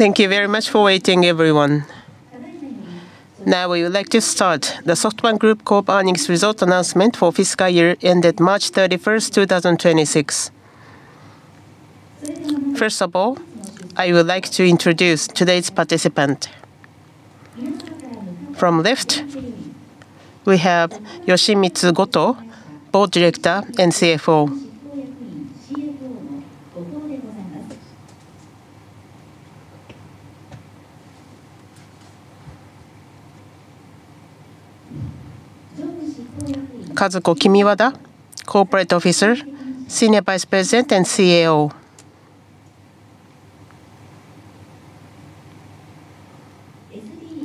Thank you very much for waiting, everyone. Now we would like to start the SoftBank Group Corp earnings result announcement for fiscal year ended March 31st, 2026. First of all, I would like to introduce today's participant. From left, we have Yoshimitsu Goto, Board Director and CFO. Kazuko Kimiwada, Corporate Officer, Senior Vice President and CAO.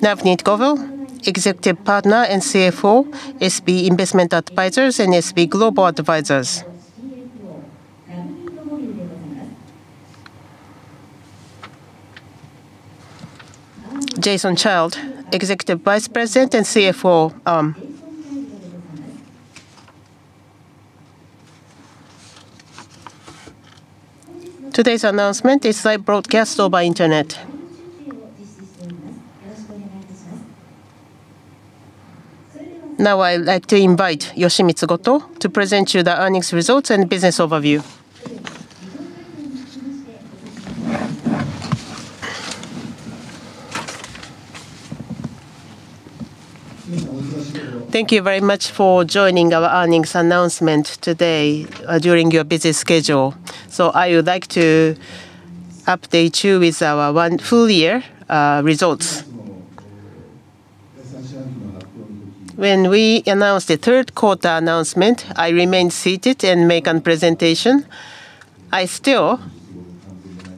Navneet Govil, Executive Partner and CFO, SB Investment Advisers and SB Global Advisers. Jason Child, Executive Vice President and CFO, Arm. Today's announcement is live broadcast over internet. Now I'd like to invite Yoshimitsu Goto to present you the earnings results and business overview. Thank you very much for joining our earnings announcement today, during your busy schedule. I would like to update you with our one full-year, results. When we announced the third quarter announcement, I remained seated and make an presentation. I still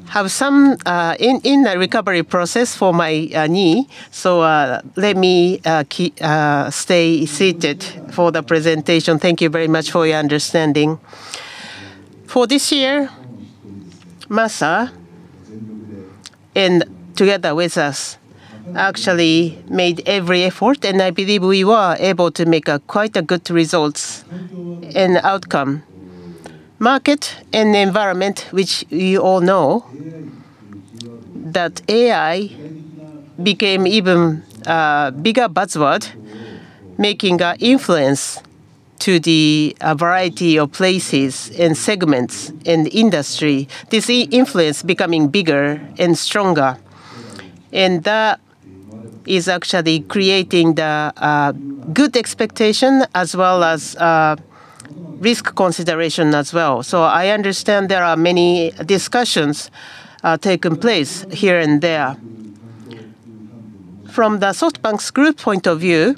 have some in the recovery process for my knee. Let me stay seated for the presentation. Thank you very much for your understanding. For this year, Masa, and together with us, actually made every effort, and I believe we were able to make a quite a good results and outcome. Market and environment, which you all know, that AI became even a bigger buzzword, making a influence to the variety of places and segments in the industry. This influence becoming bigger and stronger, and that is actually creating the good expectation as well as risk consideration as well. I understand there are many discussions taking place here and there. From the SoftBank Group's point of view,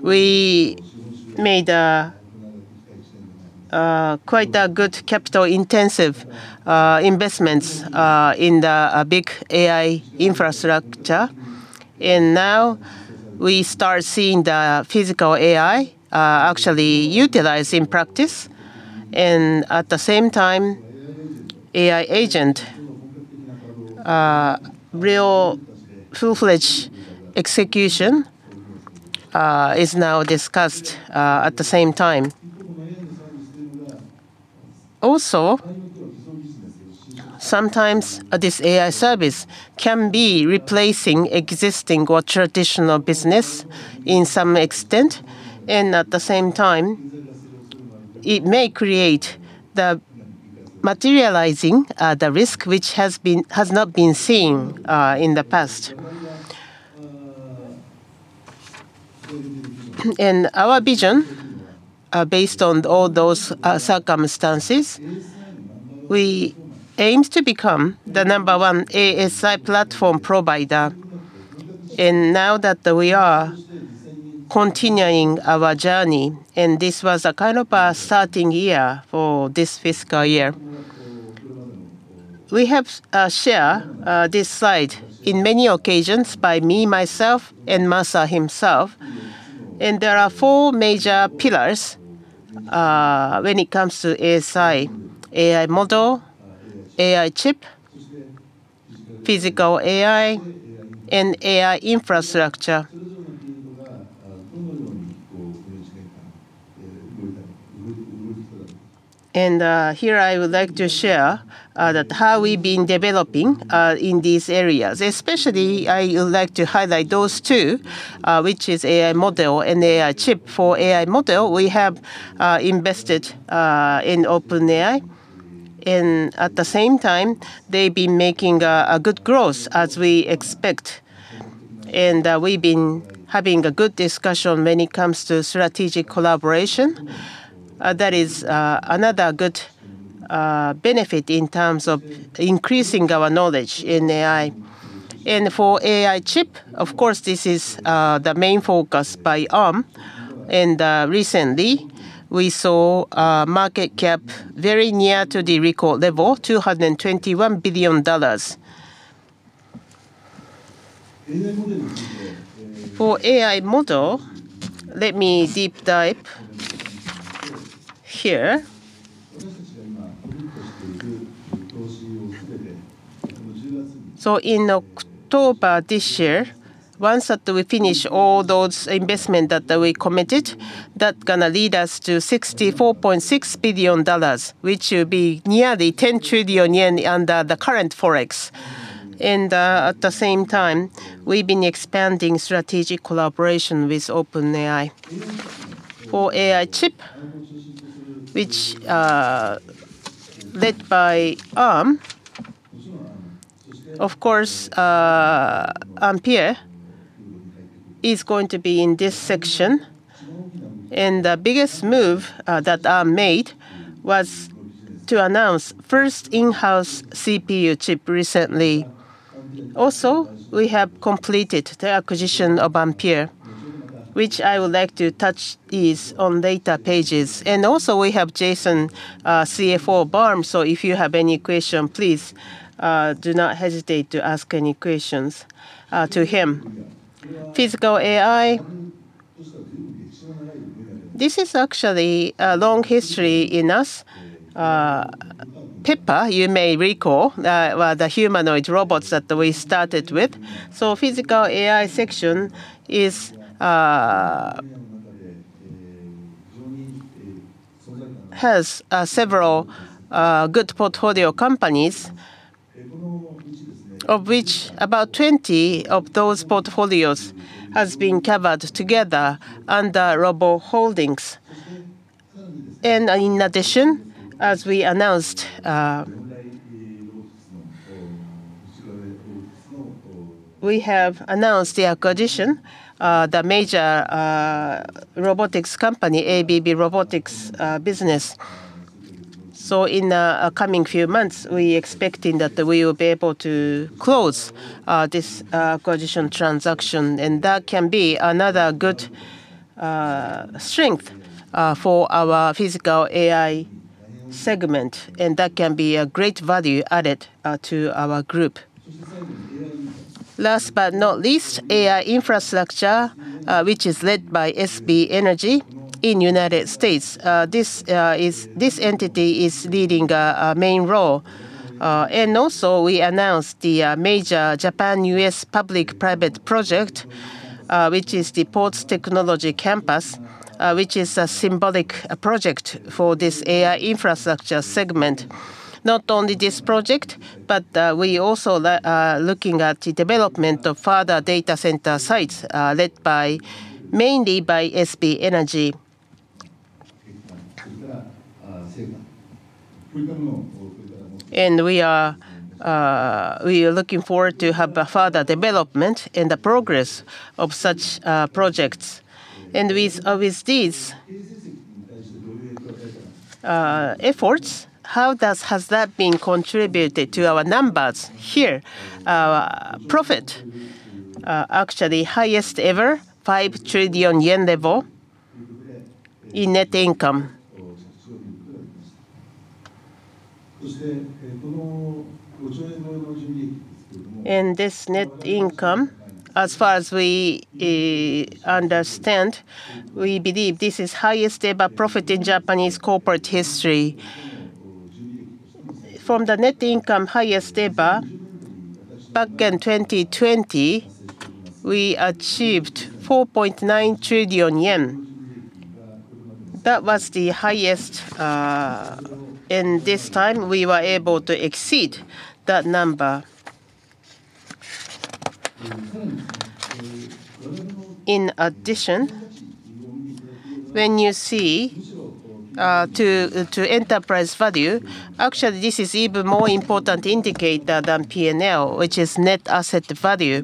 we made quite a good capital intensive investments in the big AI infrastructure. Now we start seeing the physical AI actually utilized in practice. At the same time, AI agent, real full-fledged execution is now discussed at the same time. Sometimes, this AI service can be replacing existing or traditional business in some extent, and at the same time, it may create the materializing the risk which has been, has not been seen in the past. In our vision, based on all those circumstances, we aim to become the number one ASI platform provider. Now that we are continuing our journey, and this was a kind of a starting year for this fiscal year. We have share this slide in many occasions by me, myself, and Masa himself. There are four major pillars when it comes to ASI: AI model, AI chip, physical AI, and AI infrastructure. Here I would like to share that how we've been developing in these areas. Especially, I would like to highlight those two, which is AI model and AI chip. For AI model, we have invested in OpenAI. At the same time, they've been making a good growth as we expect. We've been having a good discussion when it comes to strategic collaboration. That is another good benefit in terms of increasing our knowledge in AI. For AI chip, of course, this is the main focus by Arm. Recently we saw a market cap very near to the record level, $221 billion. For AI model, let me deep dive here. In October this year. Once we finish all those investments that we committed, that is going to lead us to $64.6 billion, which will be nearly 10 trillion yen under the current forex. At the same time, we've been expanding strategic collaboration with OpenAI. For AI chip, which led by Arm. Of course, Ampere is going to be in this section. The biggest move that Arm made was to announce first in-house CPU chip recently. We have completed the acquisition of Ampere, which I would like to touch on later pages. We have Jason, CFO of Arm. If you have any questions, please do not hesitate to ask any questions to him. Physical AI. This is actually a long history in us. Pepper, you may recall, were the humanoid robots that we started with. Physical AI section is has several good portfolio companies, of which about 20 of those portfolios has been covered together under Robo Holdings. In addition, as we announced, we have announced the acquisition, the major robotics company, ABB Robotics business. In the coming few months, we expecting that we will be able to close this acquisition transaction, and that can be another good strength for our physical AI segment, and that can be a great value added to our group. Last but not least, AI infrastructure, which is led by SB Energy in U.S. This entity is leading a main role. Also we announced the major Japan-U.S. public-private project, which is the PORTS Technology Campus, which is a symbolic project for this AI infrastructure segment. Not only this project, but we also looking at the development of further data center sites, led mainly by SB Energy. We are looking forward to have a further development in the progress of such projects. With these efforts, how has that been contributed to our numbers? Here, our profit, actually highest ever, 5 trillion yen level in net income. This net income, as far as we understand, we believe this is highest ever profit in Japanese corporate history. From the net income highest ever, back in 2020, we achieved 4.9 trillion yen. That was the highest. This time we were able to exceed that number. In addition, when you see to enterprise value, actually this is even more important indicator than P&L, which is net asset value.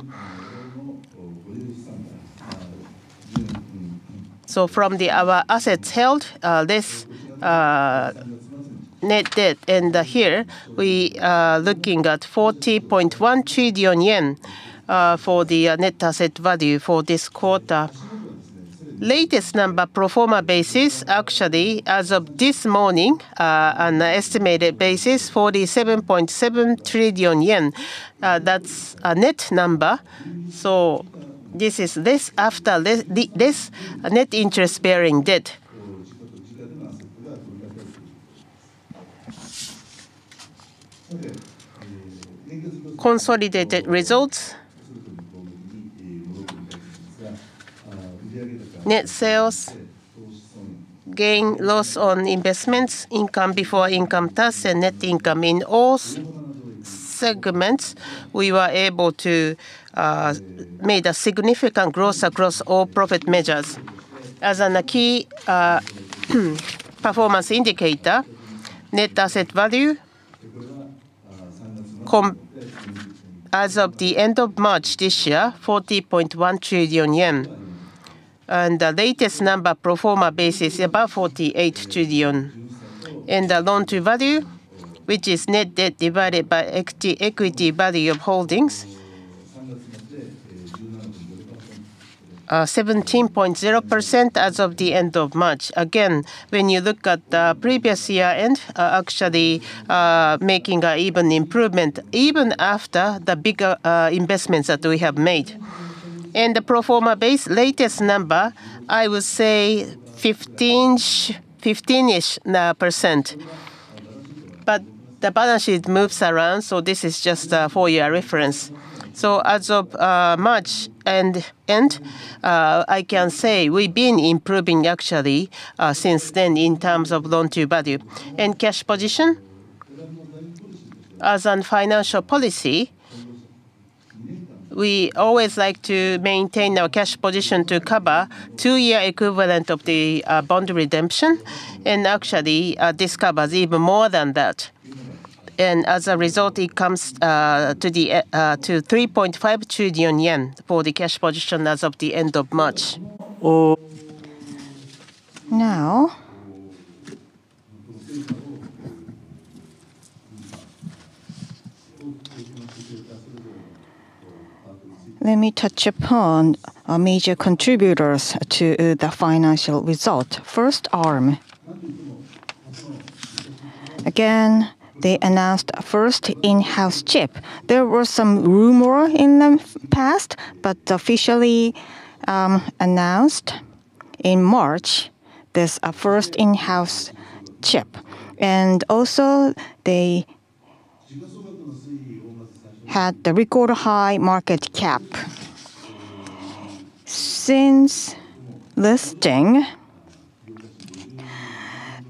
From the, our assets held less net debt. Here we are looking at 40.1 trillion yen for the net asset value for this quarter. Latest number pro forma basis, actually, as of this morning, on the estimated basis, 47.7 trillion yen. That's a net number. This is after this net interest-bearing debt. Consolidated results. Net sales, gain, loss on investments, income before income tax and net income. In all segments, we were able to made a significant growth across all profit measures. As a key performance indicator, net asset value as of the end of March this year, 40.1 trillion yen. The latest number pro forma basis, about 48 trillion. The loan to value, which is net debt divided by equity value of holdings, 17.0% as of the end of March. Again, when you look at the previous year end, actually, making a even improvement even after the bigger investments that we have made. The pro forma base latest number, I would say 15-ish %. The balance sheet moves around, this is just for your reference. As of March end, I can say we've been improving actually since then in terms of loan-to-value and cash position. As on financial policy, we always like to maintain our cash position to cover two year equivalent of the bond redemption, and actually, this covers even more than that. As a result, it comes to 3.5 trillion yen for the cash position as of the end of March. Now, let me touch upon our major contributors to the financial result. First, Arm. Again, they announced first in-house chip. There were some rumor in the past, but officially, announced in March this first in-house chip. Also they had the record high market cap. Since listing,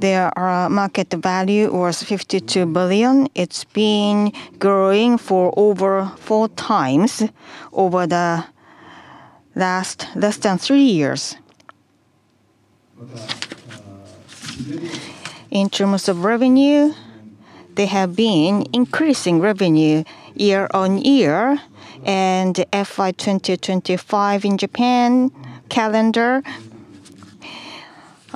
their market value was 52 billion. It's been growing for over 4x over the last less than three years. In terms of revenue, they have been increasing revenue year-on-year, and FY 2025 in Japan calendar,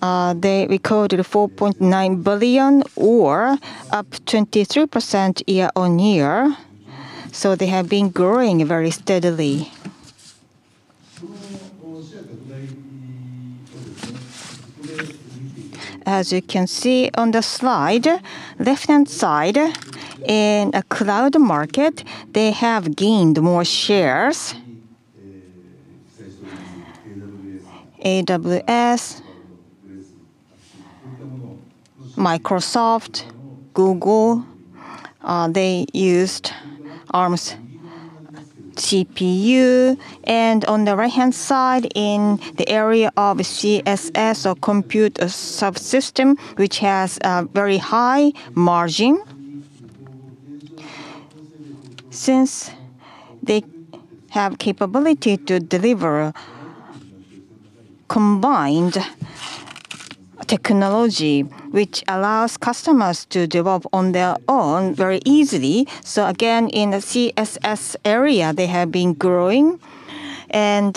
they recorded 4.9 billion or up 23% year-on-year. They have been growing very steadily. As you can see on the slide, left-hand side in a cloud market, they have gained more shares. AWS, Microsoft, Google, they used Arm's CPU. On the right-hand side in the area of CSS or compute subsystem, which has a very high margin. Since they have capability to deliver combined technology which allows customers to develop on their own very easily. Again, in the CSS area they have been growing and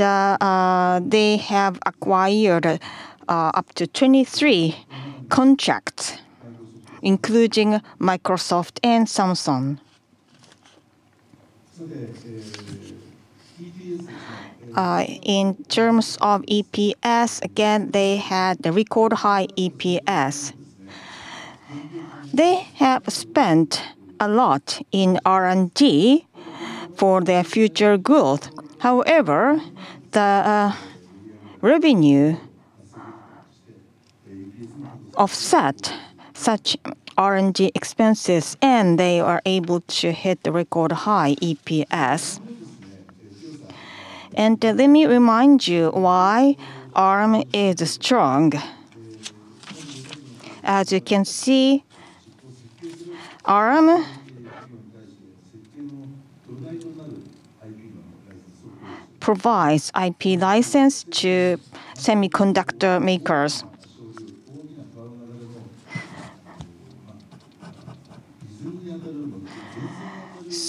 they have acquired up to 23 contracts, including Microsoft and Samsung. In terms of EPS, again, they had a record high EPS. They have spent a lot in R&D for their future growth. However, the revenue offset such R&D expenses, and they are able to hit the record high EPS. Let me remind you why Arm is strong. As you can see, Arm provides IP license to semiconductor makers.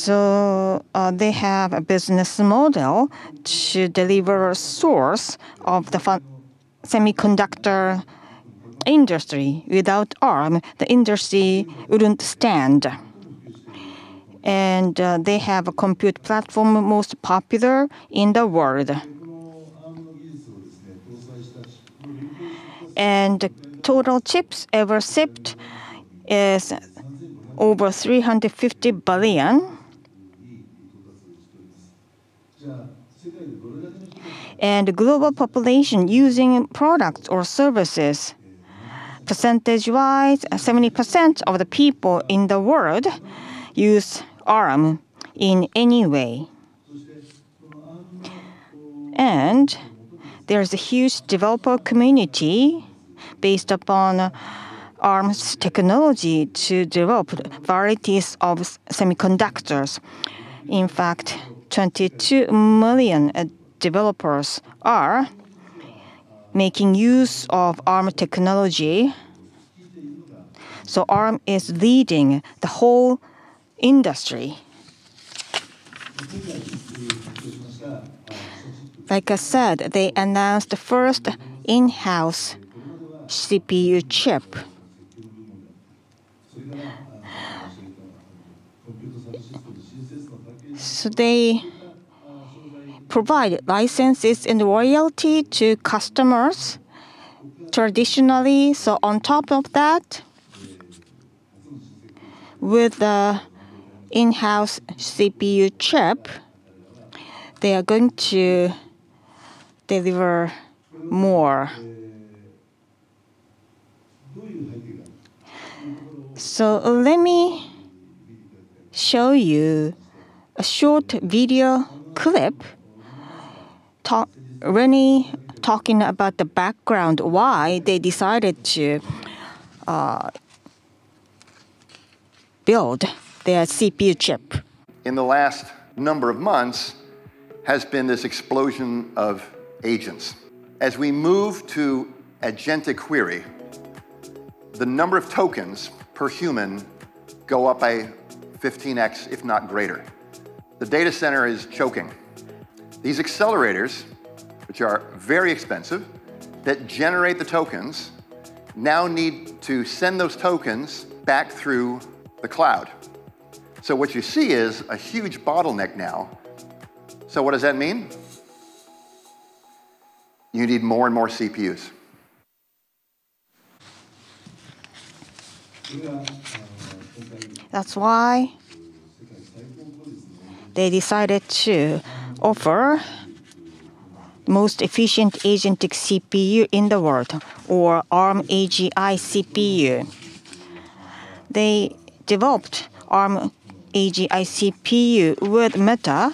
They have a business model to deliver a source of the semiconductor industry. Without Arm, the industry wouldn't stand. They have a compute platform most popular in the world. The total chips ever shipped is over 350 billion. Global population using products or services, percentage wise, 70% of the people in the world use Arm in any way. There is a huge developer community based upon Arm's technology to develop varieties of semiconductors. In fact, 22 million developers are making use of Arm technology. Arm is leading the whole industry. Like I said, they announced the first in-house CPU chip. They provide licenses and royalty to customers traditionally. On top of that, with the in-house CPU chip They are going to deliver more. Let me show you a short video clip Rene Haas talking about the background, why they decided to build their CPU chip. In the last number of months has been this explosion of agents. As we move to agentic query, the number of tokens per human go up by 15x, if not greater. The data center is choking. These accelerators, which are very expensive, that generate the tokens, now need to send those tokens back through the cloud. What you see is a huge bottleneck now. What does that mean? You need more and more CPUs. That's why they decided to offer most efficient agentic CPU in the world or Arm AGI CPU. They developed Arm AGI CPU with Meta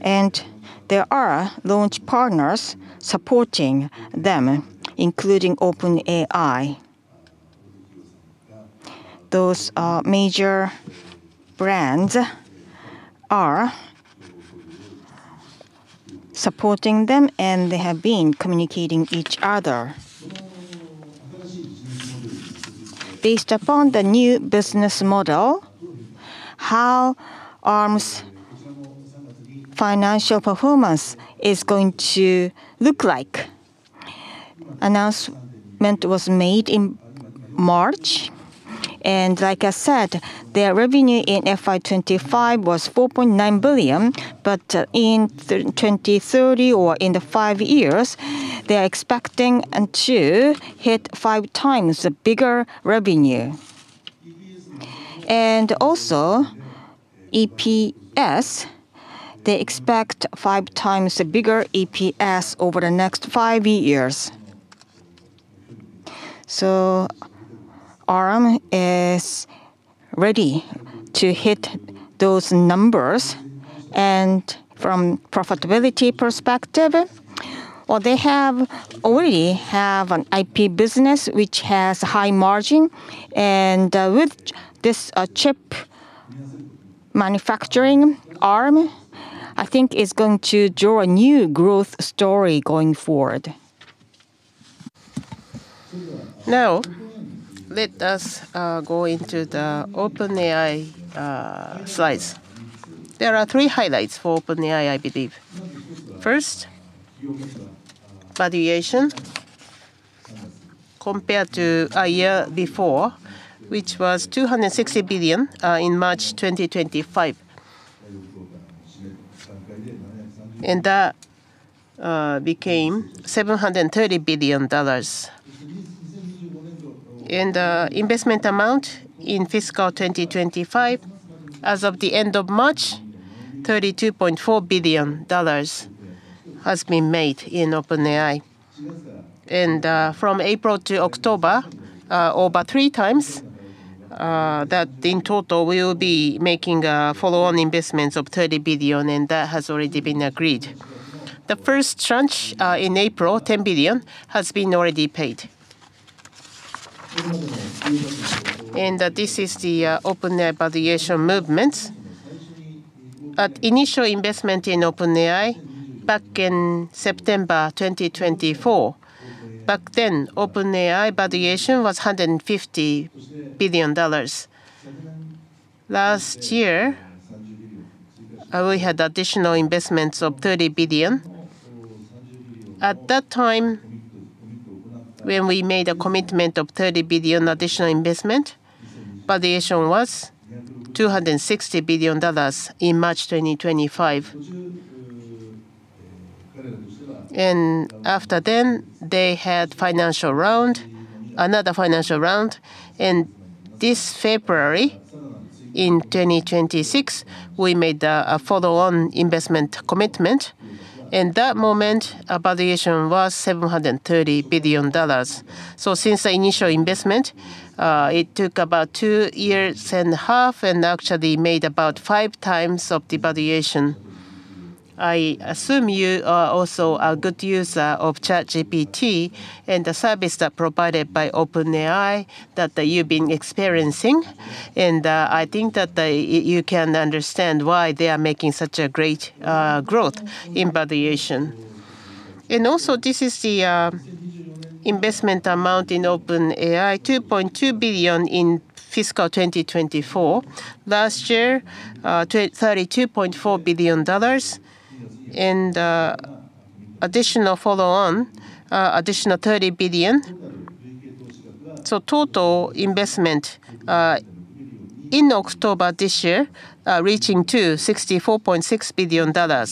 and there are launch partners supporting them, including OpenAI. Those major brands are supporting them, and they have been communicating each other. Based upon the new business model, how Arm's financial performance is going to look like. Announcement was made in March, and like I said, their revenue in FY 2025 was $4.9 billion, but in 2030 or in the five years, they are expecting to hit 5x bigger revenue. Also EPS, they expect five times bigger EPS over the next five years. Arm is ready to hit those numbers and from profitability perspective, well, they have already have an IP business which has high margin and with this chip manufacturing Arm, I think is going to draw a new growth story going forward. Let us go into the OpenAI slides. There are three highlights for OpenAI, I believe. First, valuation compared to a year before, which was $260 billion in March 2025. That became $730 billion. Investment amount in FY 2025, as of the end of March, $32.4 billion has been made in OpenAI. From April to October, over 3x that in total will be making follow-on investments of $30 billion, and that has already been agreed. The first tranche, in April, $10 billion, has been already paid. This is the OpenAI valuation movements. At initial investment in OpenAI back in September 2024, back then, OpenAI valuation was $150 billion. Last year, we had additional investments of $30 billion. At that time, when we made a commitment of $30 billion additional investment, valuation was $260 billion in March 2025. After then, they had financial round, another financial round, this February 2026, we made a follow-on investment commitment. In that moment, our valuation was $730 billion. Since the initial investment, it took about two years and a half and actually made about 5x of the valuation. I assume you are also a good user of ChatGPT and the service that provided by OpenAI that you've been experiencing. I think that, you can understand why they are making such a great growth in valuation. Also, this is the investment amount in OpenAI, 2.2 billion in fiscal 2024. Last year, $32.4 billion and additional follow-on, additional $30 billion. Total investment in October this year, reaching to $64.6 billion.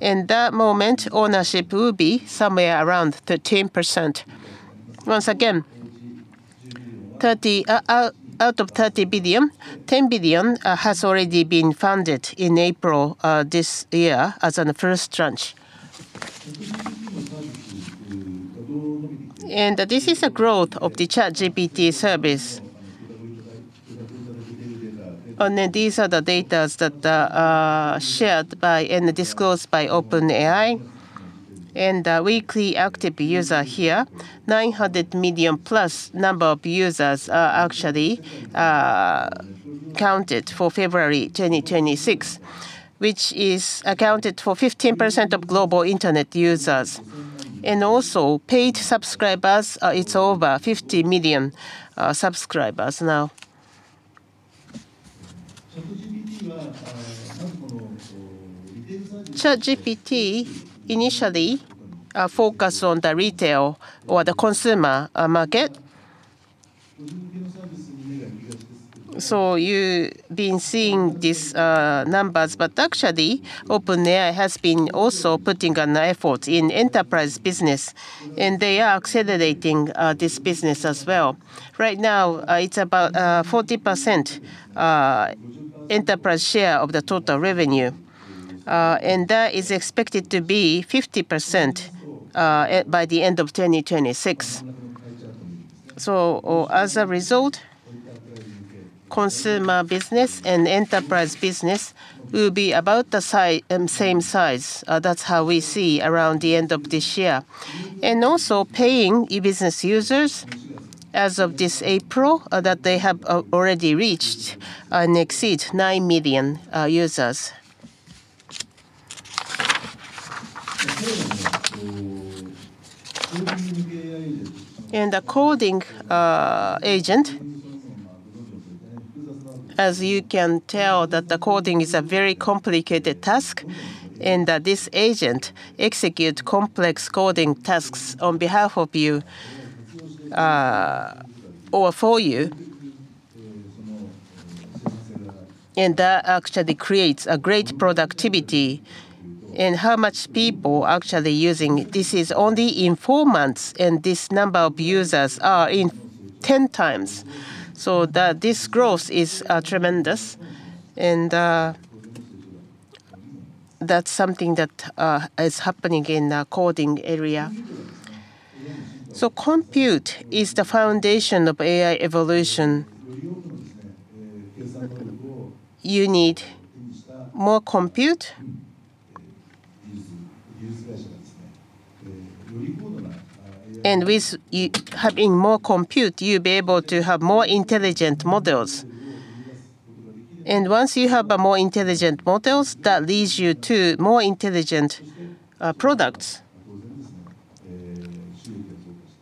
In that moment, ownership will be somewhere around 13%. Once again, 30, out of $30 billion, $10 billion has already been funded in April this year as an first tranche. This is the growth of the ChatGPT service. These are the data that are shared by and disclosed by OpenAI. Weekly active user here, 900 million+ number of users are actually counted for February 2026, which is accounted for 15% of global internet users. Paid subscribers, it's over 50 million subscribers now. ChatGPT initially focus on the retail or the consumer market. You've been seeing these numbers, but actually, OpenAI has been also putting an effort in enterprise business, and they are accelerating this business as well. Right now, it's about 40% enterprise share of the total revenue. That is expected to be 50% by the end of 2026. As a result, consumer business and enterprise business will be about the same size. That's how we see around the end of this year. PayPay business users as of this April, they have already reached and exceeds 9 million users. The coding agent, as you can tell that the coding is a very complicated task, and that this agent execute complex coding tasks on behalf of you or for you. That actually creates a great productivity in how much people actually using. This is only in four months, and this number of users are in 10x. This growth is tremendous and that's something that is happening in the coding area. Compute is the foundation of AI evolution. You need more compute. With having more compute, you'll be able to have more intelligent models. Once you have a more intelligent models, that leads you to more intelligent products.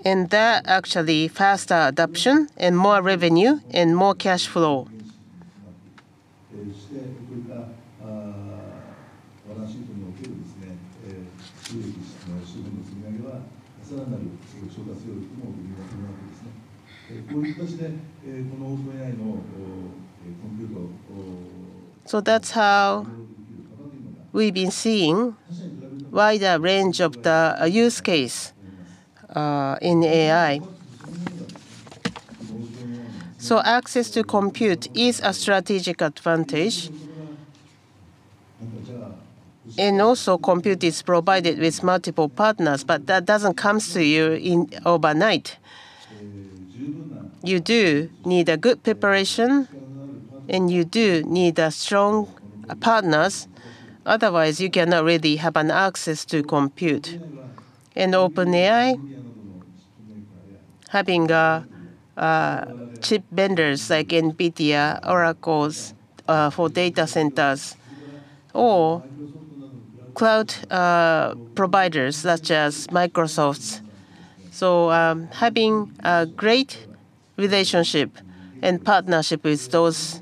That actually faster adoption and more revenue and more cash flow. That's how we've been seeing wider range of the use case in AI. Access to compute is a strategic advantage. Also compute is provided with multiple partners, but that doesn't comes to you overnight. You do need a good preparation, and you do need a strong partners, otherwise you cannot really have an access to compute. OpenAI having a chip vendors like NVIDIA, Oracle for data centers or cloud providers such as Microsoft. Having a great relationship and partnership with those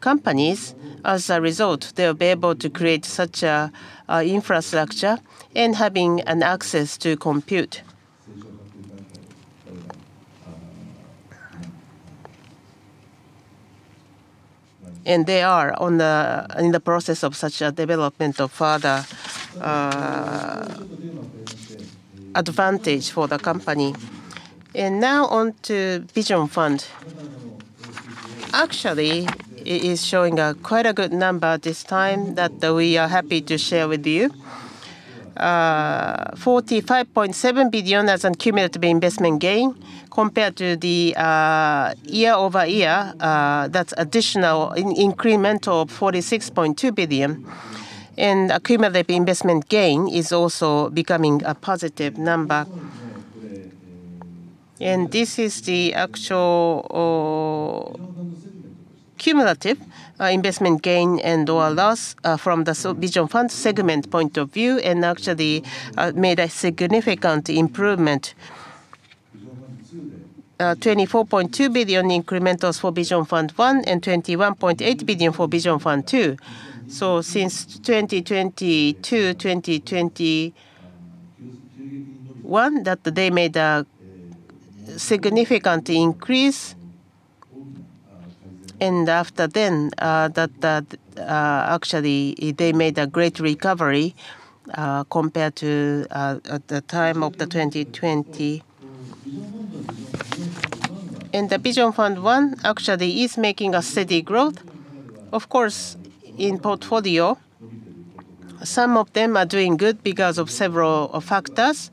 companies, as a result, they'll be able to create such a infrastructure and having an access to compute. They are on the in the process of such a development of further advantage for the company. Now on to Vision Fund. Actually, it is showing a quite a good number this time that we are happy to share with you. 45.7 billion as a cumulative investment gain compared to the year-over-year, that's additional incremental 46.2 billion. Accumulative investment gain is also becoming a positive number. This is the actual cumulative investment gain and/or loss from the Vision Fund segment point of view and actually made a significant improvement. 24.2 billion incrementals for Vision Fund One and 21.8 billion for Vision Fund 2. Since 2022, 2021 that they made a significant increase. After then, actually, they made a great recovery, compared to at the time of 2020. The Vision Fund 1 actually is making a steady growth. Of course, in portfolio, some of them are doing good because of several factors,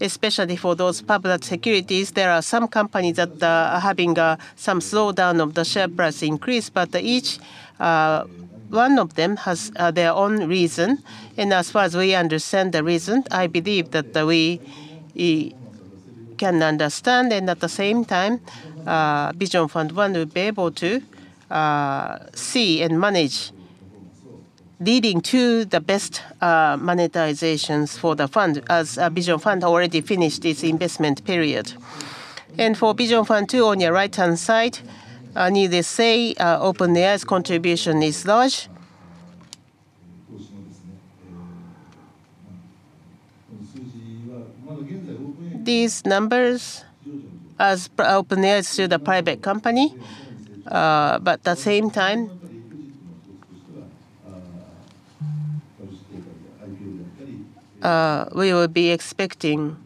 especially for those public securities. There are some companies that are having some slowdown of the share price increase, but each one of them has their own reason. As far as we understand the reason, I believe that we can understand and at the same time, Vision Fund 1 will be able to see and manage leading to the best monetizations for the fund as Vision Fund already finished its investment period. For Vision Fund 2 on your right-hand side, needless say, OpenAI's contribution is large. These numbers as OpenAI is still the private company, at the same time, we will be expecting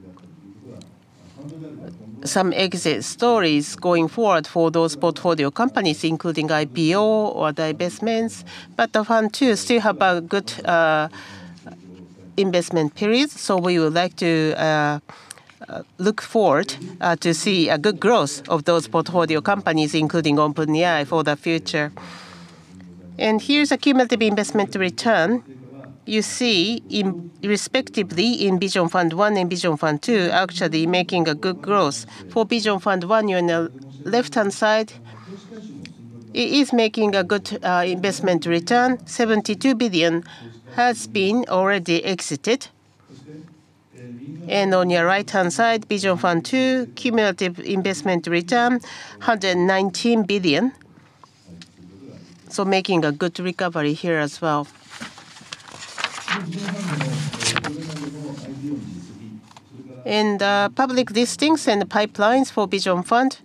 some exit stories going forward for those portfolio companies, including IPO or divestments. The Fund 2 still have a good investment period, we would like to look forward to see a good growth of those portfolio companies, including OpenAI for the future. Here's a cumulative investment return. You see in, respectively in Vision Fund 1 and Vision Fund 2 actually making a good growth. For Vision Fund 1, you're on the left-hand side, it is making a good investment return. 72 billion has been already exited. On your right-hand side, Vision Fund 2 cumulative investment return, 119 billion. Making a good recovery here as well. Public listings and the pipelines for Vision Fund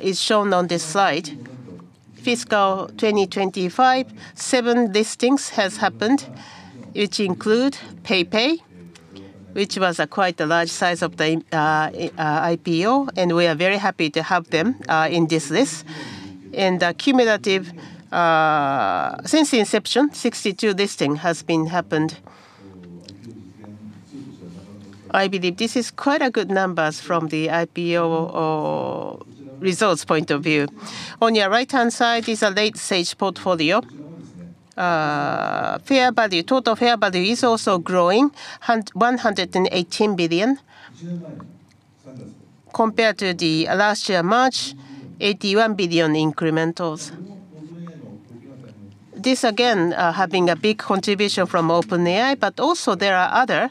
is shown on this slide. Fiscal 2025, seven listings has happened, which include PayPay, which was quite a large size of the IPO, and we are very happy to have them in this list. The cumulative since inception, 62 listing has been happened. I believe this is quite a good numbers from the IPO or results point of view. On your right-hand side is a late-stage portfolio. Fair value, total fair value is also growing, $118 billion. Compared to last year March, $81 billion incrementals. This again, having a big contribution from OpenAI, but also there are other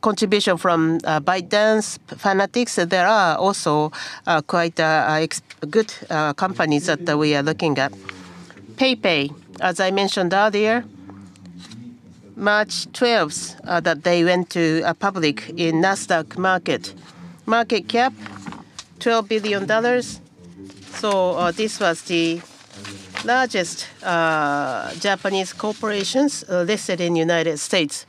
contribution from ByteDance, Fanatics. There are also quite good companies that we are looking at. PayPay, as I mentioned earlier, March 12, that they went to public in Nasdaq market. Market cap, $12 billion. This was the largest Japanese corporations listed in U.S.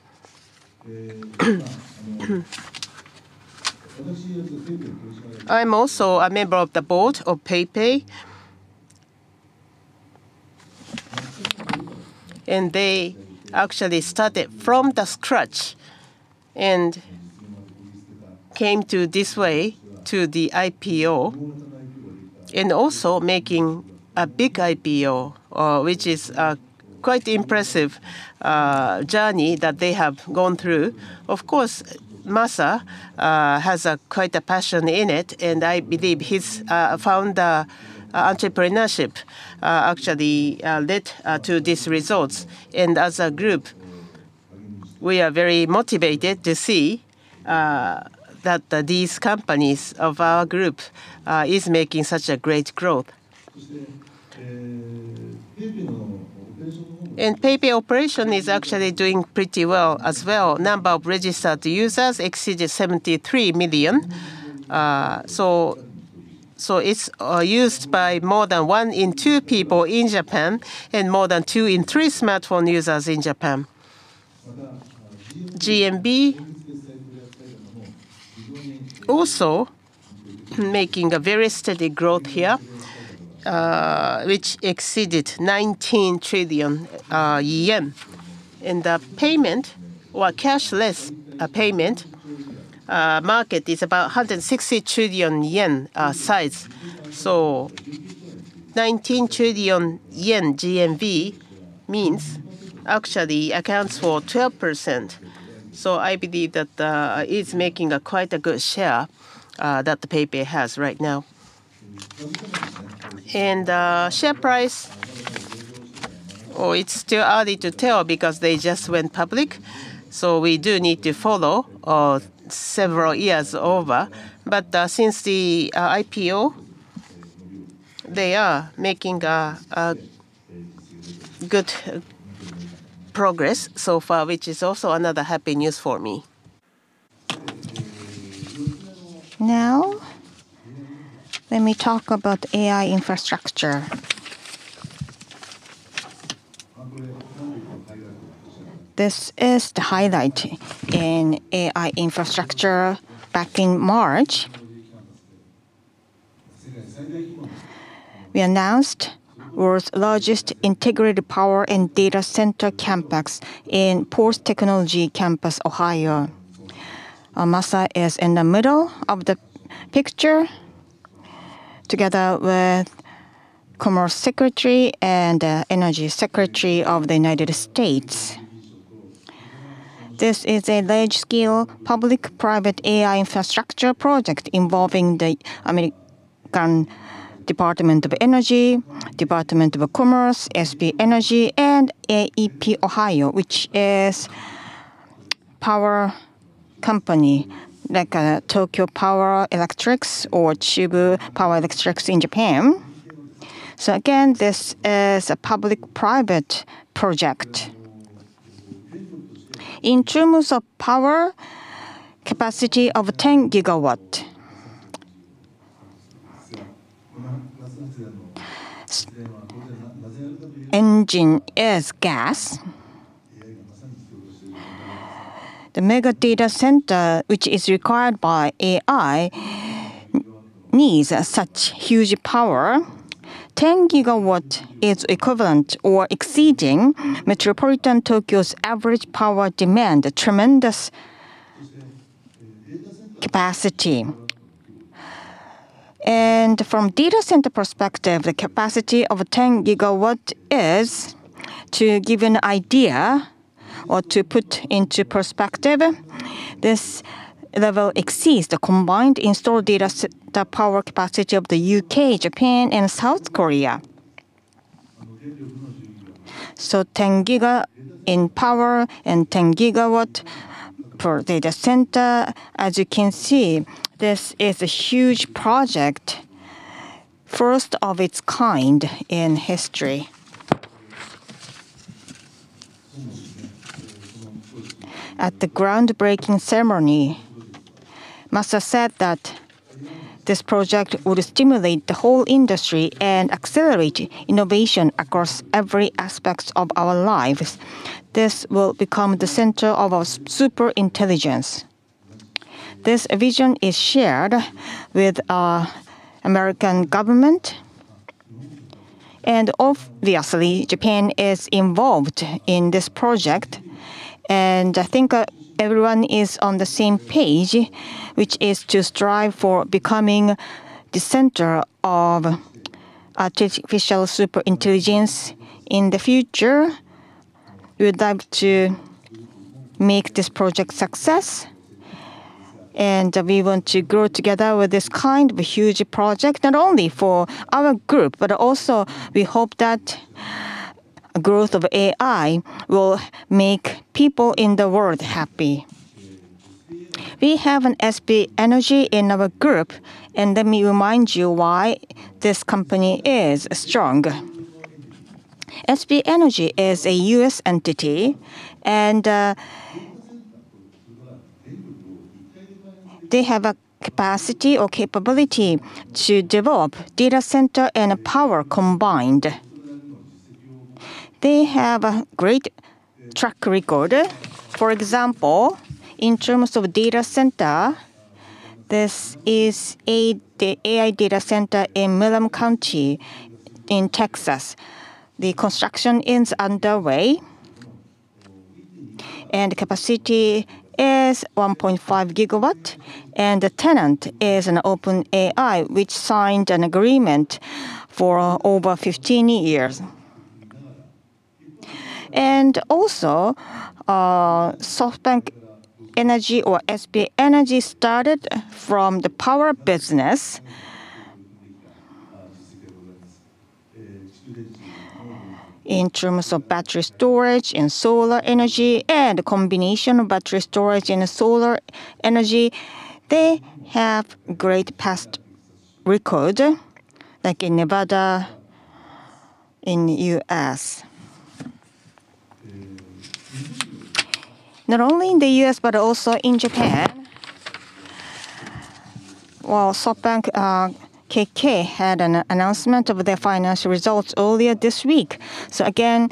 I'm also a member of the board of PayPay. They actually started from the scratch and came to this way to the IPO, and also making a big IPO, which is a quite impressive journey that they have gone through. Of course, Masa has quite a passion in it, and I believe his founder entrepreneurship actually led to these results. As a group, we are very motivated to see that these companies of our group is making such a great growth. PayPay operation is actually doing pretty well as well. Number of registered users exceeded 73 million. It's used by more than one in two people in Japan and more than two in three smartphone users in Japan. GMV also making a very steady growth here, which exceeded 19 trillion yen. The payment or cashless payment market is about 160 trillion yen size. 19 trillion yen GMV means actually accounts for 12%. I believe that it's making a quite a good share that PayPay has right now. Share price, it's still early to tell because they just went public, so we do need to follow several years over. Since the IPO, they are making good progress so far, which is also another happy news for me. Let me talk about AI infrastructure. This is the highlight in AI infrastructure back in March. We announced world's largest integrated power and data center campus in PORTS Technology Campus, Ohio. Masa is in the middle of the picture together with Commerce Secretary and Energy Secretary of the U.S. This is a large-scale public-private AI infrastructure project involving the Department of Energy, Department of Commerce, SB Energy, and AEP Ohio, which is power company like Tokyo Electric Power Company or Chubu Electric Power Co., Inc. in Japan. Again, this is a public-private project. In terms of power, capacity of 10GW. Engine is gas. The mega data center, which is required by AI, needs such huge power. 10GW is equivalent or exceeding metropolitan Tokyo's average power demand, a tremendous capacity. From data center perspective, the capacity of 10GW is, to give you an idea or to put into perspective, this level exceeds the combined installed data center power capacity of the U.K., Japan, and South Korea. 10 giga in power and 10GW per data center. As you can see, this is a huge project, first of its kind in history. At the groundbreaking ceremony, Masa said that this project would stimulate the whole industry and accelerate innovation across every aspects of our lives. This will become the center of our super intelligence. This vision is shared with American government. Obviously, Japan is involved in this project. I think everyone is on the same page, which is to strive for becoming the center of artificial super intelligence in the future. We would like to make this project success, and we want to grow together with this kind of huge project, not only for our group, but also we hope that growth of AI will make people in the world happy. We have an SB Energy in our group, and let me remind you why this company is strong. SB Energy is a U.S. entity, and they have a capacity or capability to develop data center and power combined. They have a great track record. For example, in terms of data center, this is the AI data center in Milam County in Texas. The construction is underway and capacity is 1.5GW, and the tenant is an OpenAI, which signed an agreement for over 15 years. Also, SoftBank Energy or SB Energy started from the power business. In terms of battery storage and solar energy and a combination of battery storage and solar energy, they have great past record, like in Nevada, in the U.S. Not only in the U.S., but also in Japan. Well, SoftBank KK had an announcement of their financial results earlier this week. Again,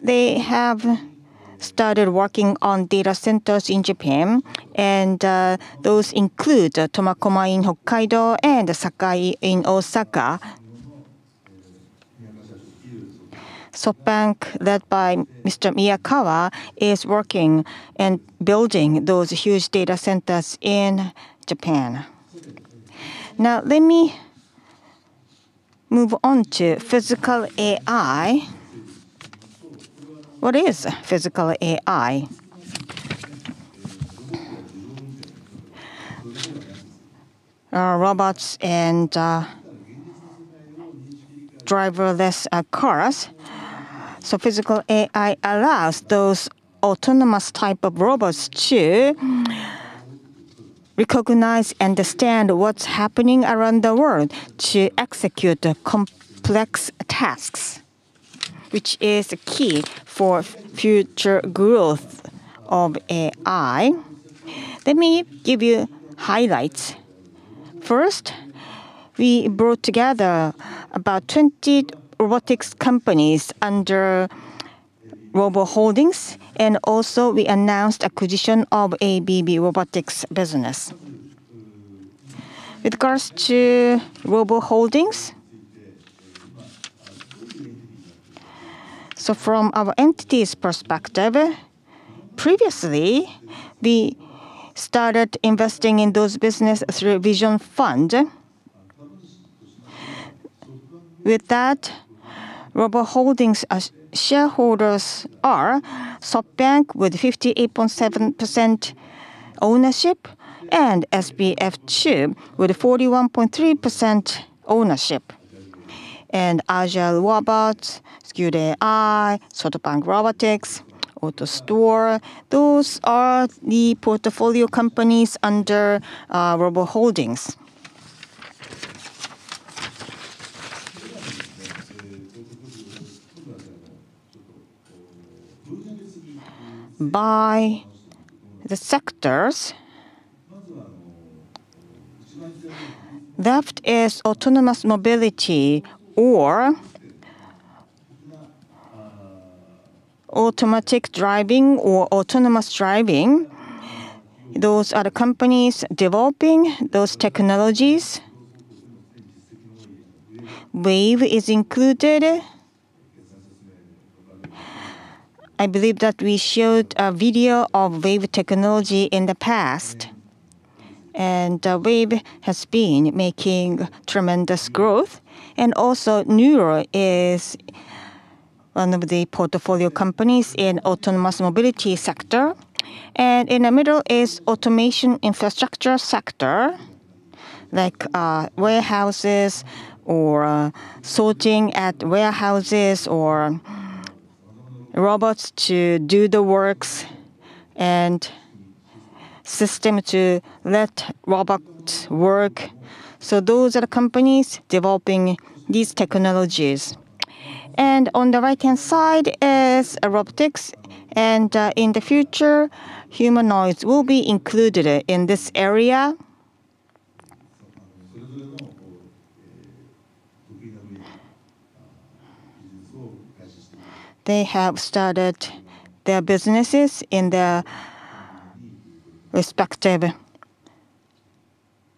they have started working on data centers in Japan, and those include Tomakomai in Hokkaido and Sakai in Osaka. SoftBank, led by Mr. Miyakawa, is working and building those huge data centers in Japan. Let me move on to physical AI. What is physical AI? Robots and driverless cars. Physical AI allows those autonomous type of robots to recognize, understand what's happening around the world to execute complex tasks, which is key for future growth of AI. Let me give you highlights. We brought together about 20 robotics companies under Robo Holdings, and also we announced acquisition of ABB Robotics business. With regards to Robo Holdings. From our entity's perspective, previously we started investing in those business through Vision Fund. With that, Robo Holdings as shareholders are SoftBank with 58.7% ownership and SVF 2 with 41.3% ownership. Agile Robots, Skild AI, SoftBank Robotics, AutoStore, those are the portfolio companies under Robo Holdings. By the sectors. Left is autonomous mobility or automatic driving or autonomous driving. Those are the companies developing those technologies. Wayve is included. I believe that we showed a video of Wayve technology in the past, Wayve has been making tremendous growth. Also Nuro is one of the portfolio companies in autonomous mobility sector. In the middle is automation infrastructure sector, like warehouses or sorting at warehouses or robots to do the works and system to let robots work. Those are the companies developing these technologies. On the right-hand side is robotics and in the future, humanoids will be included in this area. They have started their businesses in their respective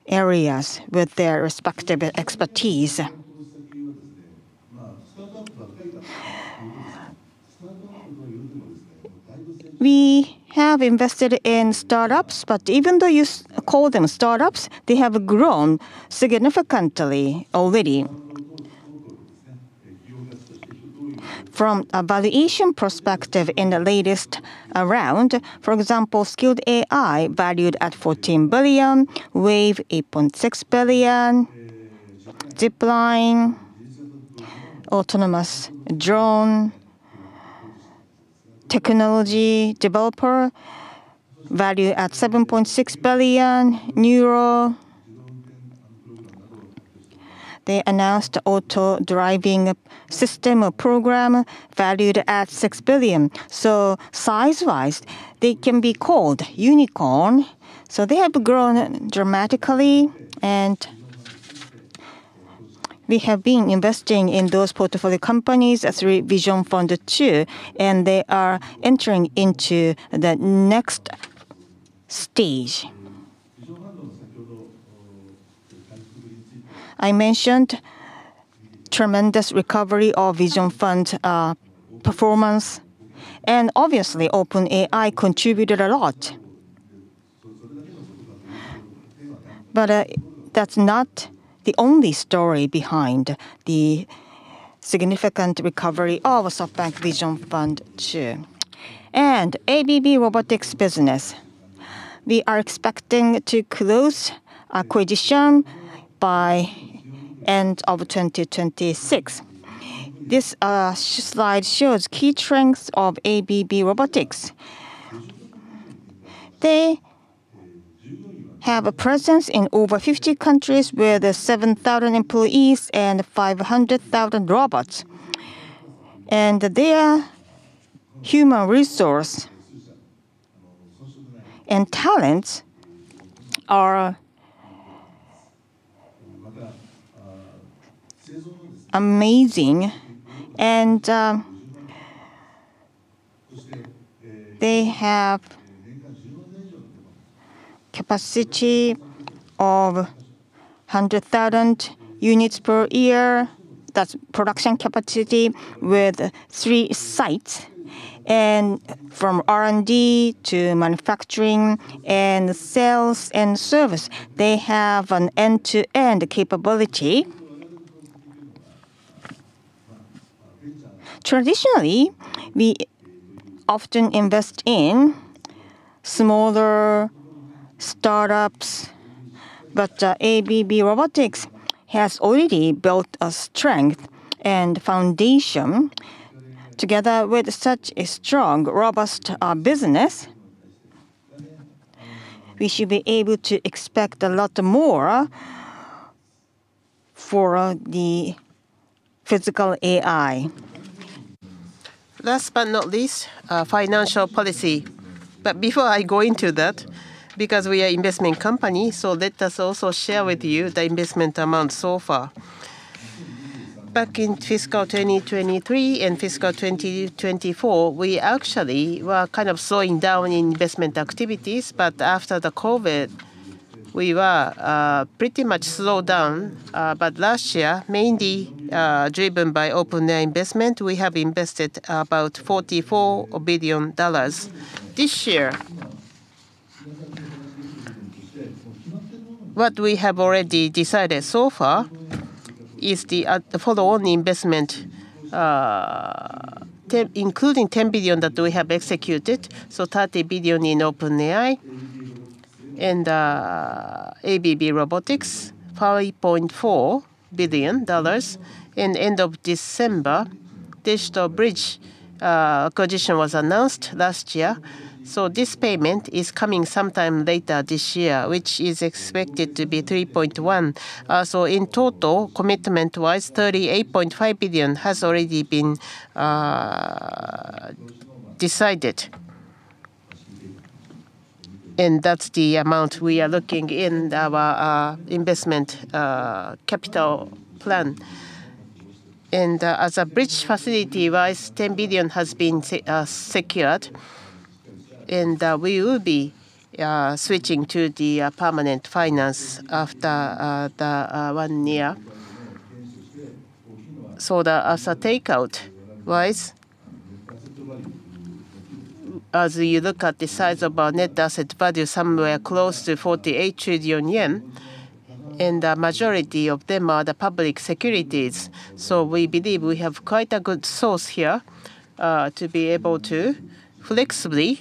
areas with their respective expertise. We have invested in startups, but even though you call them startups, they have grown significantly already. From a valuation perspective in the latest round, for example, Skild AI valued at 14 billion, Wayve 8.6 billion, Zipline, autonomous drone technology developer, valued at JPY 7.6 billion. Nuro, they announced auto-driving system or program valued at 6 billion. Size-wise, they can be called unicorn. They have grown dramatically, and we have been investing in those portfolio companies through Vision Fund II, and they are entering into the next stage. I mentioned tremendous recovery of Vision Fund performance, and obviously OpenAI contributed a lot. That's not the only story behind the significant recovery of SoftBank Vision Fund II. ABB Robotics business, we are expecting to close acquisition by end of 2026. This slide shows key strengths of ABB Robotics. They have a presence in over 50 countries with 7,000 employees and 500,000 robots. Their human resource and talents are amazing, and they have capacity of 100,000 units per year. That's production capacity with 3 sites. From R&D to manufacturing and sales and service, they have an end-to-end capability. Traditionally, we often invest in smaller startups, but ABB Robotics has already built a strength and foundation together with such a strong, robust business. We should be able to expect a lot more for the physical AI. Last but not least, financial policy. Before I go into that, because we are investment company, so let us also share with you the investment amount so far. Back in fiscal 2023 and fiscal 2024, we actually were kind of slowing down investment activities, but after the COVID, we were pretty much slowed down. Last year, mainly, driven by OpenAI investment, we have invested about $44 billion. This year, what we have already decided so far is the follow on investment, including $10 billion that we have executed, so $30 billion in OpenAI and ABB Robotics, $5.4 billion. In end of December, DigitalBridge acquisition was announced last year. This payment is coming sometime later this year, which is expected to be 3.1. In total, commitment-wise, 38.5 billion has already been decided. That's the amount we are looking in our investment capital plan. As a bridge facility-wise, 10 billion has been secured, and we will be switching to the permanent finance after the one year. The, as a takeout-wise, as you look at the size of our net asset value, somewhere close to 48 trillion yen, and the majority of them are the public securities. We believe we have quite a good source here to be able to flexibly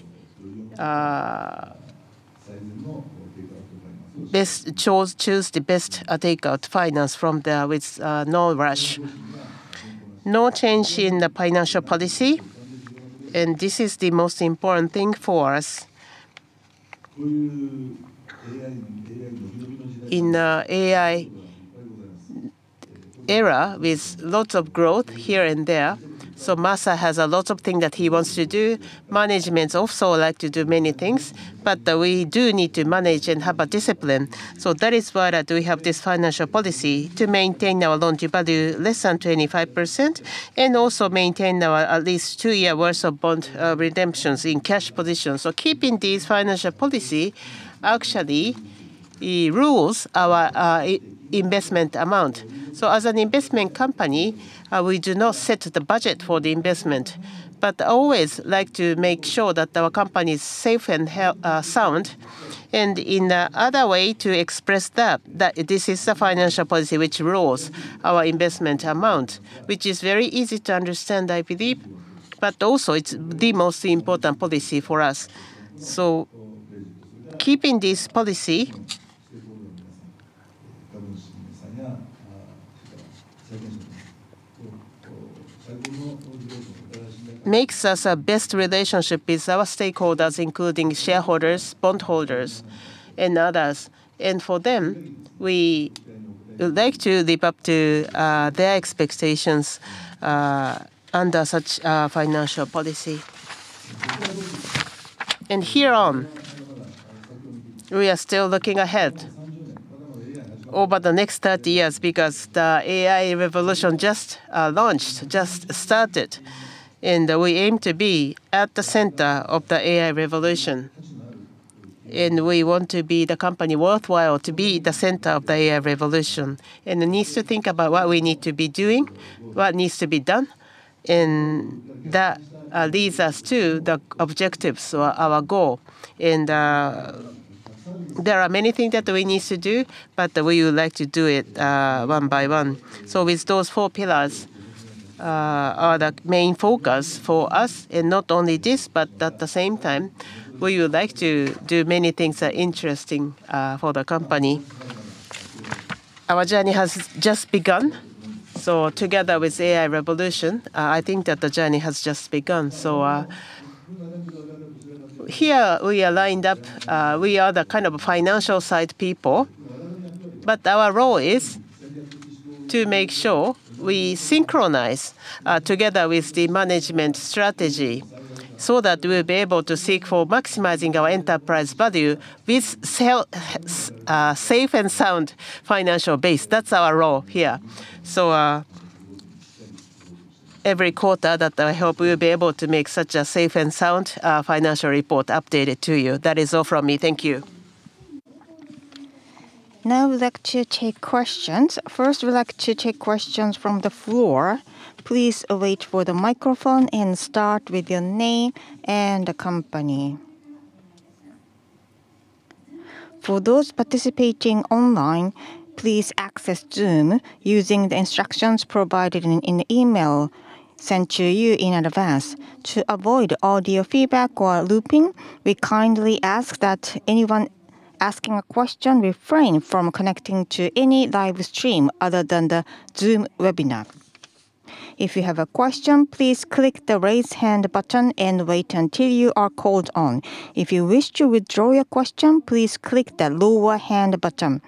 choose the best takeout finance from there with no rush. No change in the financial policy. This is the most important thing for us. In AI era with lots of growth here and there, Masa has a lot of thing that he wants to do. Management also like to do many things, we do need to manage and have a discipline. That is why that we have this financial policy to maintain our loan-to-value less than 25% and also maintain our at least two year worth of bond redemptions in cash positions. Keeping this financial policy actually rules our investment amount. As an investment company, we do not set the budget for the investment, but always like to make sure that our company is safe and sound. In other way to express that this is the financial policy which rules our investment amount, which is very easy to understand, I believe, but also it's the most important policy for us. Keeping this policy makes us a best relationship with our stakeholders, including shareholders, bondholders, and others. For them, we would like to live up to their expectations under such financial policy. Here on, we are still looking ahead over the next 30 years because the AI Revolution just launched, just started. We aim to be at the center of the AI Revolution. We want to be the company worthwhile to be the center of the AI Revolution. It needs to think about what we need to be doing, what needs to be done, and that leads us to the objectives or our goal. There are many things that we need to do, but we would like to do it, one by one. With those four pillars, are the main focus for us. Not only this, but at the same time, we would like to do many things that are interesting, for the company. Our journey has just begun, so together with AI revolution, I think that the journey has just begun. Here we are lined up, we are the kind of financial side people, but our role is to make sure we synchronize, together with the management strategy so that we'll be able to seek for maximizing our enterprise value with safe and sound financial base. That's our role here. Every quarter that I hope we'll be able to make such a safe and sound financial report updated to you. That is all from me. Thank you. We'd like to take questions. First, we'd like to take questions from the floor. Please await for the microphone and start with your name and company. For those participating online, please access Zoom using the instructions provided in the email sent to you in advance. To avoid audio feedback or looping, we kindly ask that anyone asking a question refrain from connecting to any live stream other than the Zoom webinar. If you have a question, please click the Raise Hand button and wait until you are called on. If you wish to withdraw your question, please click the Lower Hand button.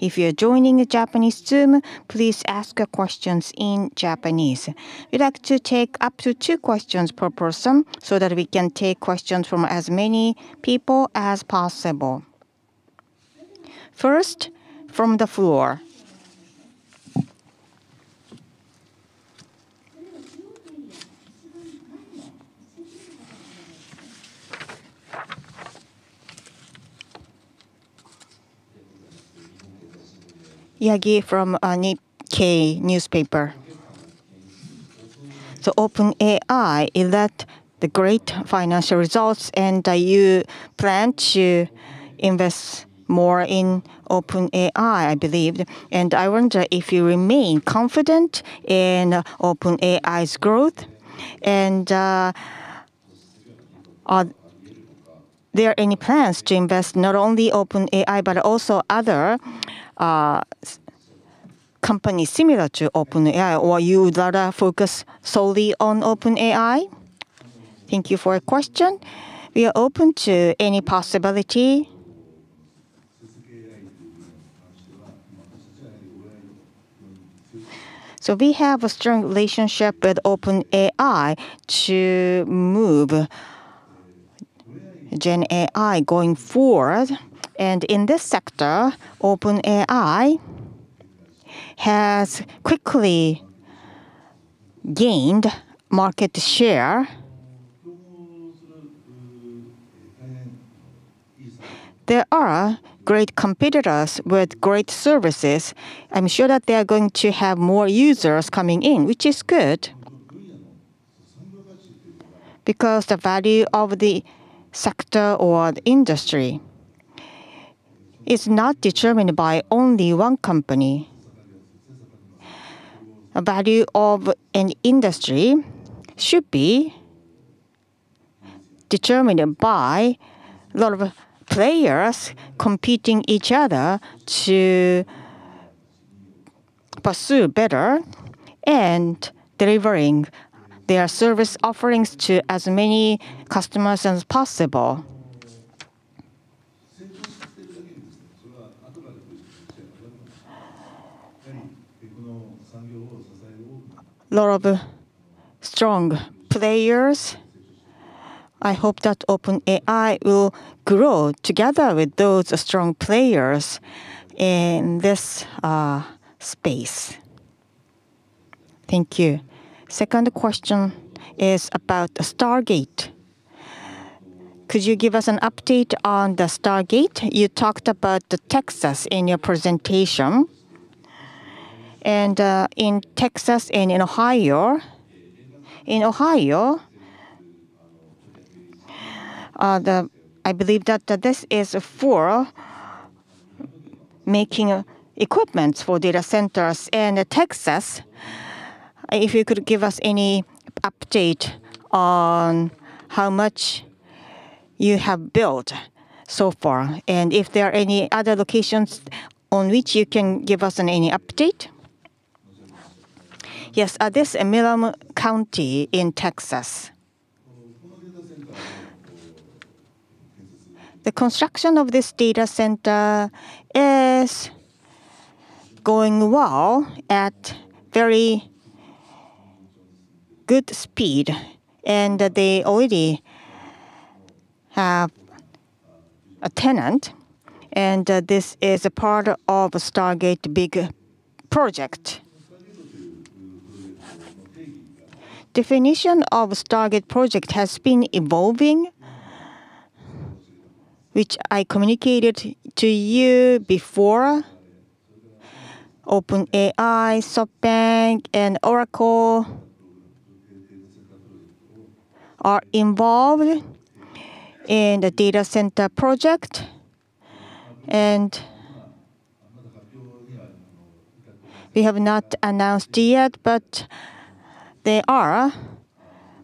If you are joining a Japanese team, please ask your questions in Japanese. We'd like to take up to two questions per person so that we can take questions from as many people as possible. First, from the floor. Yagi from The Nikkei. OpenAI, is that the great financial results and you plan to invest more in OpenAI, I believe. I wonder if you remain confident in OpenAI's growth and are there any plans to invest not only OpenAI but also other companies similar to OpenAI, or you'd rather focus solely on OpenAI? Thank you for your question. We are open to any possibility. We have a strong relationship with OpenAI to move gen AI going forward. In this sector, OpenAI has quickly gained market share. There are great competitors with great services. I'm sure that they are going to have more users coming in, which is good. The value of the sector or the industry is not determined by only one company. A value of an industry should be determined by a lot of players competing each other to pursue better and delivering their service offerings to as many customers as possible. Lot of strong players. I hope that OpenAI will grow together with those strong players in this space. Thank you. Second question is about the Stargate. Could you give us an update on the Stargate? You talked about the Texas in your presentation. In Texas and in Ohio. In Ohio, I believe that this is for making equipment for data centers. Texas, if you could give us any update on how much you have built so far, if there are any other locations on which you can give us any update. Yes. This Milam County in Texas. The construction of this data center is going well at very good speed, and they already have a tenant, this is a part of Stargate Project. Definition of Stargate Project has been evolving, which I communicated to you before. OpenAI, SoftBank, and Oracle are involved in the data center project, we have not announced yet, they are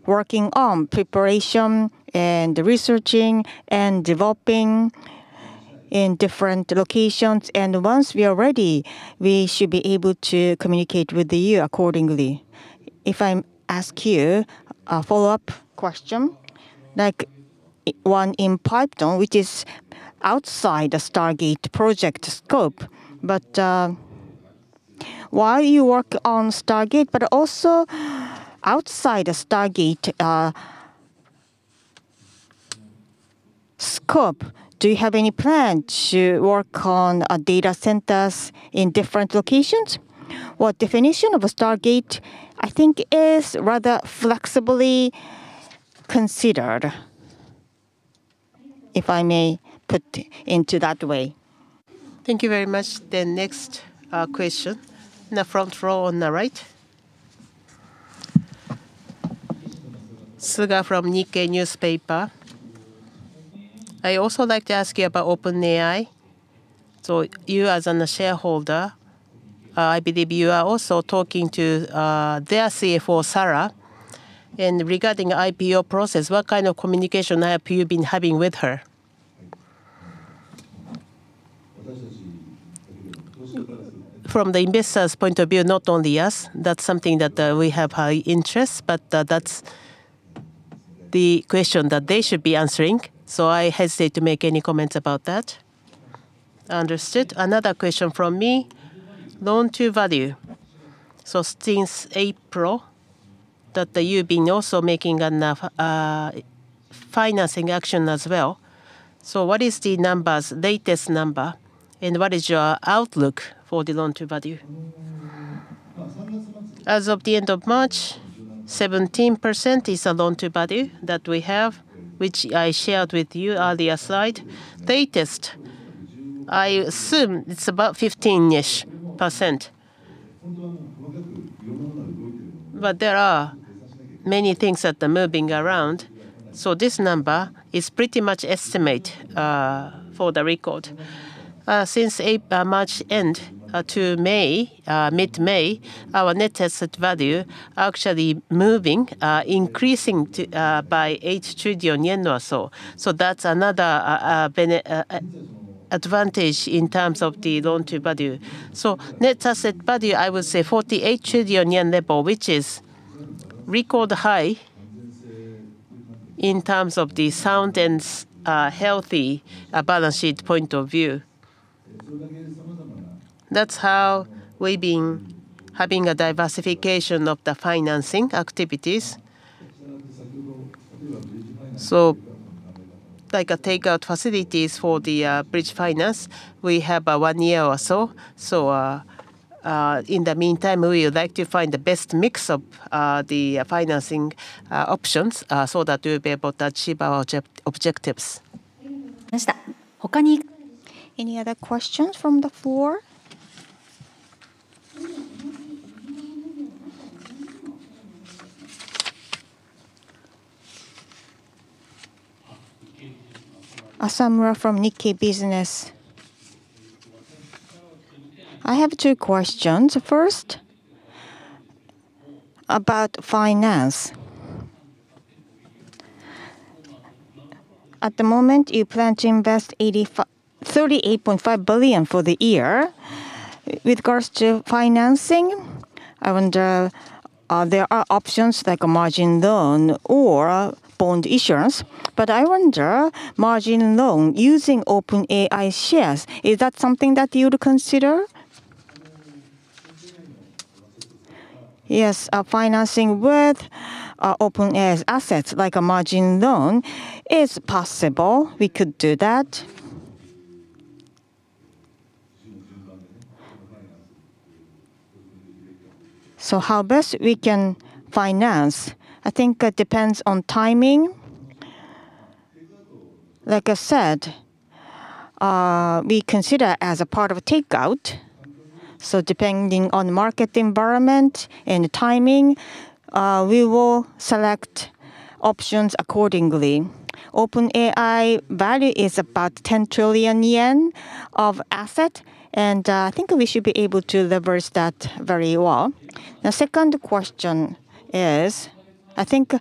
working on preparation and researching and developing in different locations. Once we are ready, we should be able to communicate with you accordingly. If I ask you a follow-up question, like one in Piketon, which is outside the Stargate Project scope. While you work on Stargate, but also outside the Stargate scope, do you have any plan to work on data centers in different locations? Well, definition of Stargate, I think, is rather flexibly considered, if I may put into that way. Thank you very much. The next question in the front row on the right. Suga from Nikkei Newspaper. I also like to ask you about OpenAI. You as an shareholder, I believe you are also talking to their CFO, Sarah. Regarding IPO process, what kind of communication have you been having with her? From the investors' point of view, not only us, that's something that we have high interest, but that's the question that they should be answering, so I hesitate to make any comments about that. Understood. Another question from me. LTV. Since April that you've been also making a financing action as well. What is the numbers, latest number, and what is your outlook for the LTV? As of the end of March, 17% is the LTV that we have, which I shared with you earlier slide. Latest, I assume it's about 15%-ish. There are many things that are moving around, so this number is pretty much estimate for the record. Since March end, to May, mid-May, our net asset value actually moving, increasing to, by 8 trillion yen or so. That's another advantage in terms of the loan to value. Net asset value, I would say 48 trillion yen level, which is record high in terms of the sound and healthy balance sheet point of view. That's how we've been having a diversification of the financing activities. Like a takeout facilities for the bridge finance, we have about one year or so. In the meantime, we would like to find the best mix of the financing options, so that we'll be able to achieve our objectives. Any other questions from the floor? Asamura from Nikkei Business. I have two questions. First, about finance. At the moment, you plan to invest 38.5 billion for the year. With regards to financing, I wonder, there are options like a margin loan or bond insurance. I wonder, margin loan using OpenAI shares, is that something that you would consider? Yes. Financing with OpenAI's assets like a margin loan is possible. We could do that. How best we can finance, I think it depends on timing. Like I said, we consider as a part of takeout, depending on market environment and timing, we will select options accordingly. OpenAI value is about 10 trillion yen of asset, I think we should be able to leverage that very well. The second question is, I think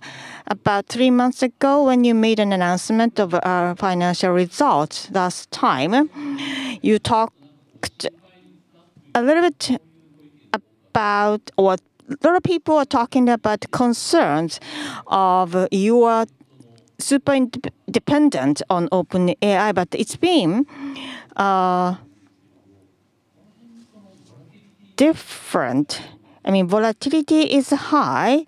about three months ago when you made an announcement of our financial results last time, you talked a little bit about what A lot of people are talking about concerns of you are super independent on OpenAI, but it's been, different. I mean, volatility is high.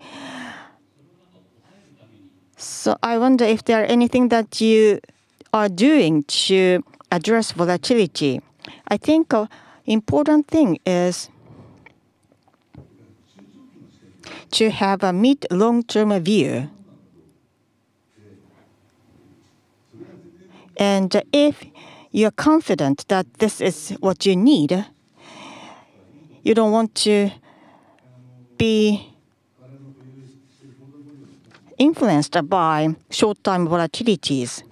I wonder if there are anything that you are doing to address volatility. I think a important thing is to have a mid, long-term view. If you're confident that this is what you need, you don't want to be influenced by short-term volatilities.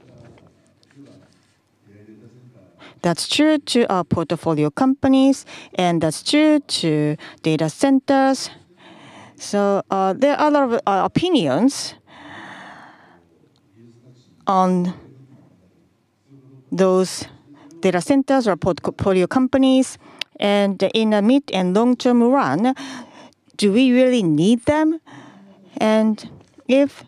That's true to our portfolio companies, and that's true to data centers. There are a lot of opinions on those data centers or portfolio companies. In the mid and long-term run, do we really need them? If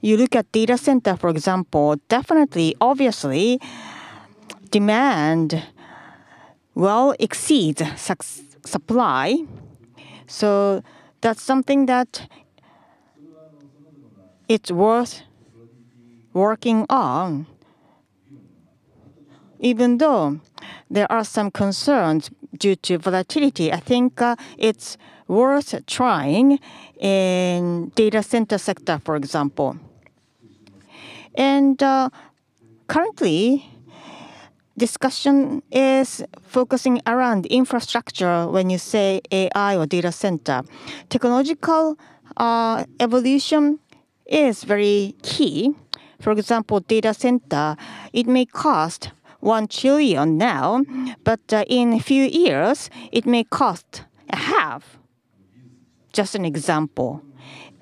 you look at data center, for example, definitely, obviously, demand will exceed supply. That's something that it's worth working on. Even though there are some concerns due to volatility, I think, it's worth trying in data center sector, for example. Currently, discussion is focusing around infrastructure when you say AI or data center. Technological evolution is very key. For example, data center, it may cost 1 trillion now, but in a few years, it may cost a half. Just an example.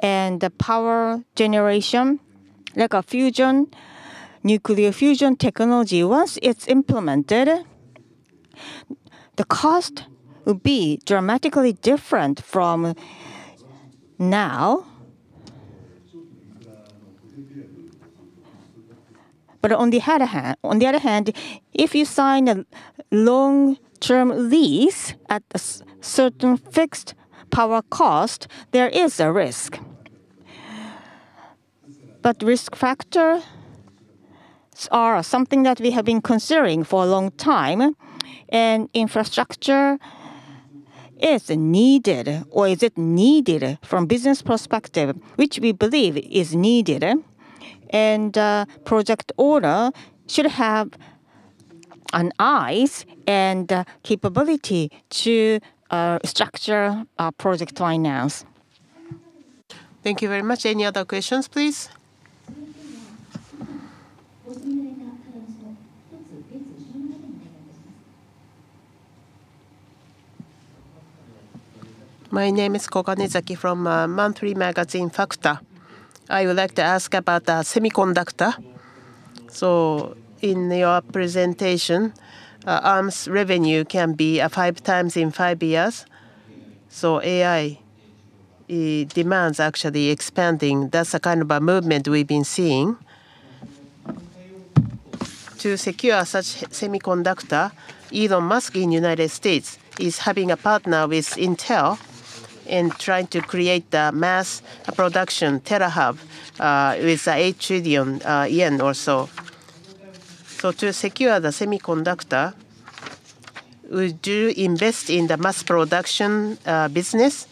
The power generation, like a fusion, nuclear fusion technology, once it's implemented, the cost will be dramatically different from now. On the other hand, if you sign a long-term lease at a certain fixed power cost, there is a risk. Risk factors are something that we have been considering for a long time, infrastructure is needed, or is it needed from business perspective, which we believe is needed. Project owner should have AI and capability to structure our project finance. Thank you very much. Any other questions, please? My name is Koji Nizaki from Monthly Magazine FACTA. I would like to ask about the semiconductor. In your presentation, Arm's revenue can be 5x in five years. AI demands actually expanding. That's the kind of a movement we've been seeing. To secure such semiconductor, Elon Musk in United States is having a partner with Intel and trying to create the mass production TeraHub with 8 trillion yen or so. To secure the semiconductor, would you invest in the mass production business?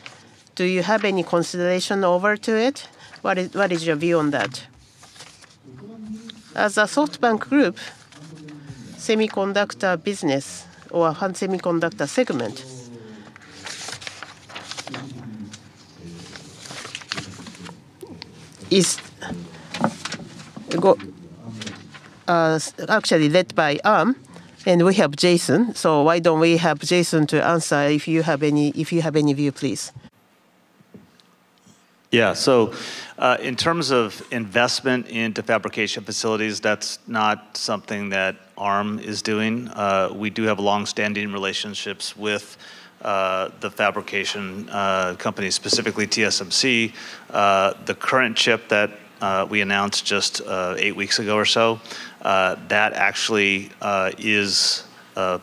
Do you have any consideration over to it? What is your view on that? As a SoftBank Group, semiconductor business or semiconductor segment is actually led by Arm, and we have Jason. Why don't we have Jason to answer if you have any view, please. Yeah. In terms of investment into fabrication facilities, that's not something that Arm is doing. We do have longstanding relationships with the fabrication companies, specifically TSMC. The current chip that we announced just eight weeks ago or so, that actually is a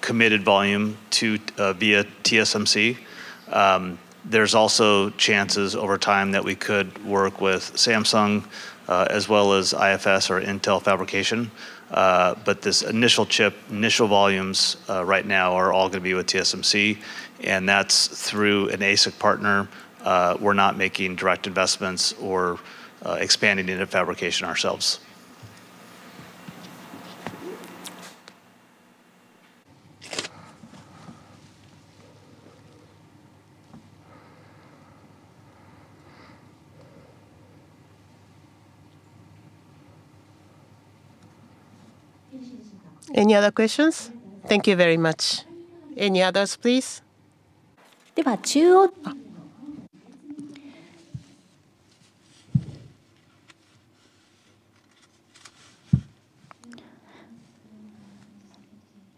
committed volume to via TSMC. There's also chances over time that we could work with Samsung, as well as IFS or Intel Foundry Services. But this initial chip, initial volumes, right now are all gonna be with TSMC, and that's through an ASIC partner. We're not making direct investments or expanding into fabrication ourselves. Any other questions? Thank you very much. Any others, please?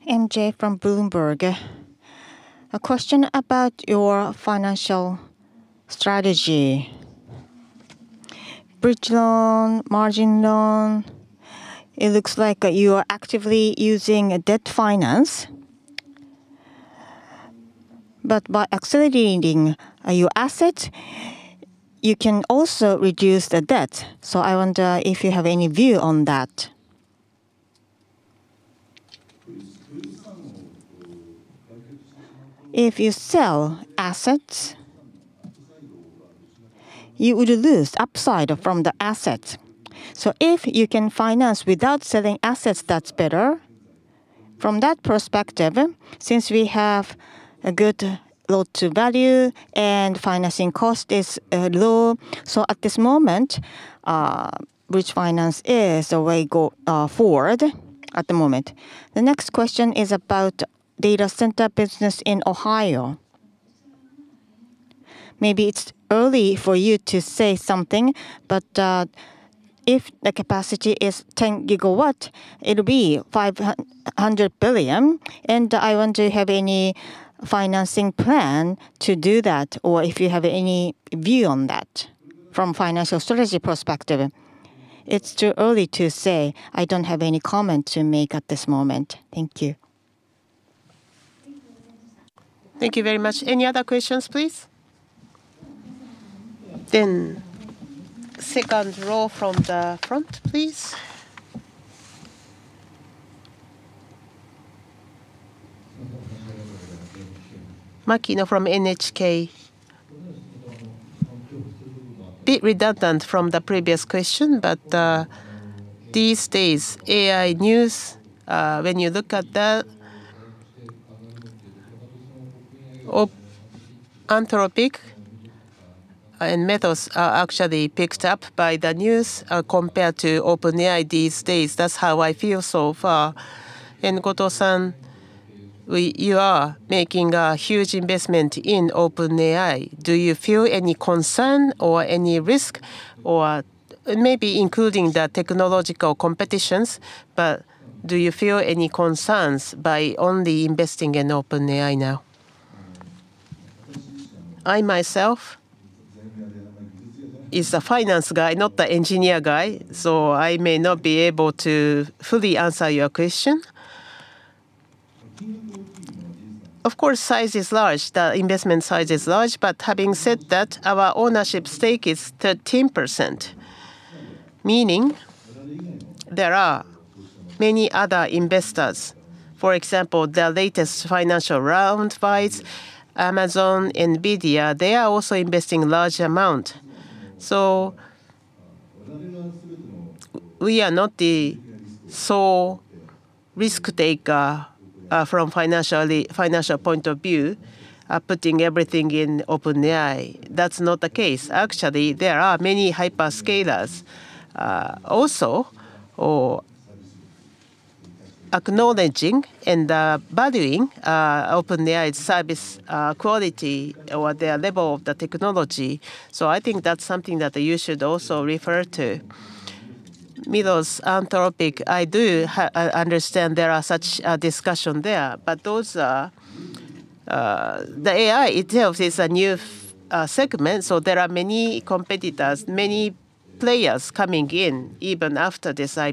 MJ from Bloomberg. A question about your financial strategy. Bridge loan, margin loan, it looks like you are actively using a debt finance. By accelerating your asset, you can also reduce the debt. I wonder if you have any view on that? If you sell assets, you would lose upside from the assets. If you can finance without selling assets, that's better. From that perspective, since we have a good loan to value and financing cost is low. At this moment, bridge finance is the way go forward at the moment. The next question is about data center business in Ohio. Maybe it's early for you to say something, but if the capacity is 10GW, it'll be 500 billion, and I wonder, have any financing plan to do that, or if you have any view on that from financial strategy perspective? It's too early to say. I don't have any comment to make at this moment. Thank you. Thank you very much. Any other questions, please? Second row from the front, please. Makino from NHK. Bit redundant from the previous question, but these days, AI news, when you look at the Anthropic and Mistral are actually picked up by the news, compared to OpenAI these days. That's how I feel so far. Goto-san, you are making a huge investment in OpenAI. Do you feel any concern or any risk or maybe including the technological competitions, but do you feel any concerns by only investing in OpenAI now? I myself is the finance guy, not the engineer guy, so I may not be able to fully answer your question. Of course, size is large. The investment size is large. Having said that, our ownership stake is 13%, meaning there are many other investors. For example, the latest financial round wise, Amazon, NVIDIA, they are also investing large amount. We are not the sole risk taker from financial point of view, putting everything in OpenAI. That's not the case. Actually, there are many hyperscalers also or acknowledging and valuing OpenAI's service quality or their level of the technology. I think that's something that you should also refer to. Mistral AI, Anthropic, I understand there are such discussion there. Those are, the AI itself is a new segment, so there are many competitors, many players coming in even after this, I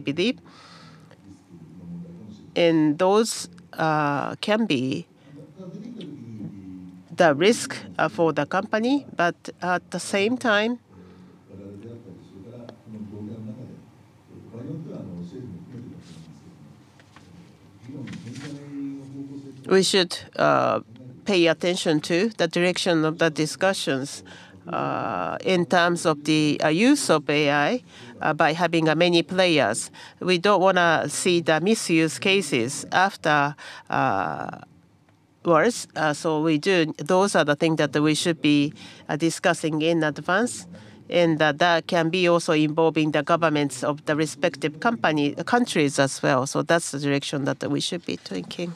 believe. Those can be the risk for the company. At the same time, we should pay attention to the direction of the discussions in terms of the use of AI by having a many players. We don't wanna see the misuse cases after worse. Those are the thing that we should be discussing in advance, and that that can be also involving the governments of the respective countries as well. That's the direction that we should be taking.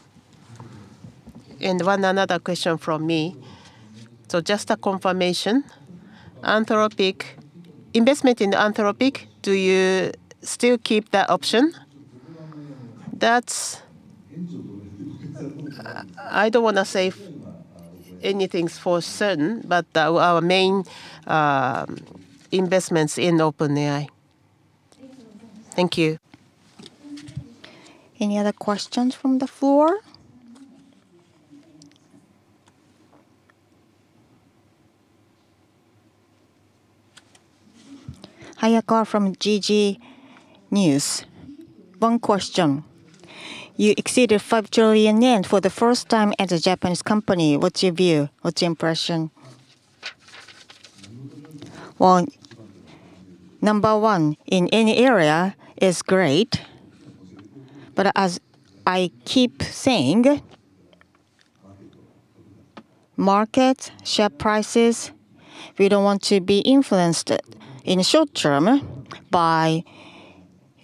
One another question from me. Just a confirmation. Anthropic, investment in Anthropic, do you still keep that option? I don't wanna say anything's for certain, but our main investment's in OpenAI. Thank you. Any other questions from the floor? Hayakawa from Jiji Press. One question. You exceeded 5 trillion yen for the first time as a Japanese company. What's your view? What's your impression? Well, number one in any area is great. As I keep saying, markets, share prices, we don't want to be influenced in short term by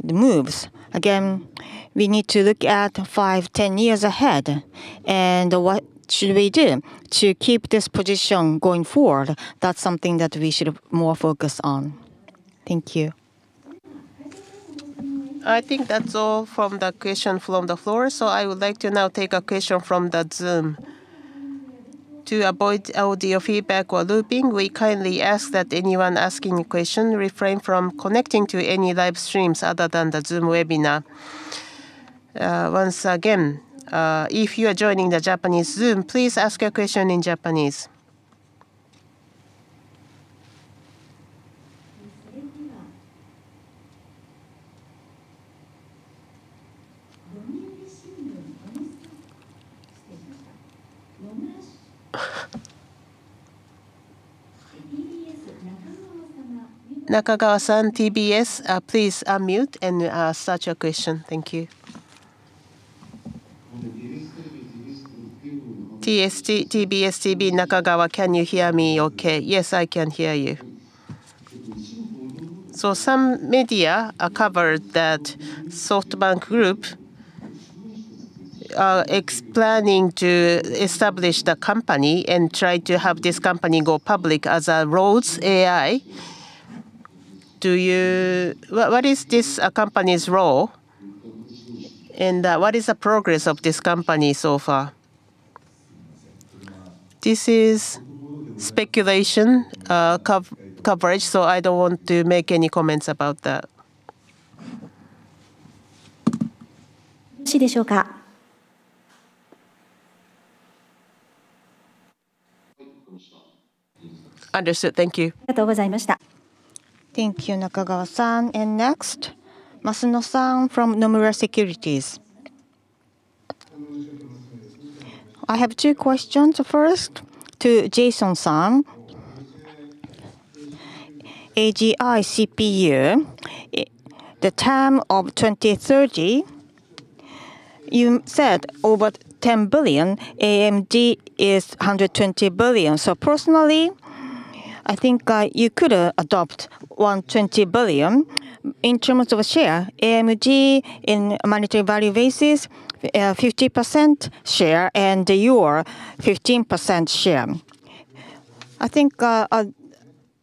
the moves. Again, we need to look at five, 10 years ahead and what should we do to keep this position going forward. That's something that we should more focus on. Thank you. I think that's all from the question from the floor, so I would like to now take a question from the Zoom. To avoid audio feedback or looping, we kindly ask that anyone asking a question refrain from connecting to any live streams other than the Zoom webinar. Once again, if you are joining the Japanese Zoom, please ask your question in Japanese. Nakagawa, TBS, please unmute and start your question. Thank you. TBS TV, Nakagawa. Can you hear me okay? Yes, I can hear you. Some media covered that SoftBank Group, planning to establish the company and try to have this company go public as a Robo Holdings. What is this company's role? What is the progress of this company so far? This is speculation, coverage, so I don't want to make any comments about that. Understood. Thank you. Thank you, Nakagawa-san. Next, Masuno-san from Nomura Securities. I have two questions. First, to Jason-san. Arm AGI CPU, the term of 2030. You said over 10 billion, AMD is 120 billion. Personally, I think you could adopt 120 billion in TAM of a share. AMD in monetary value basis, 50% share and you're 15% share. I think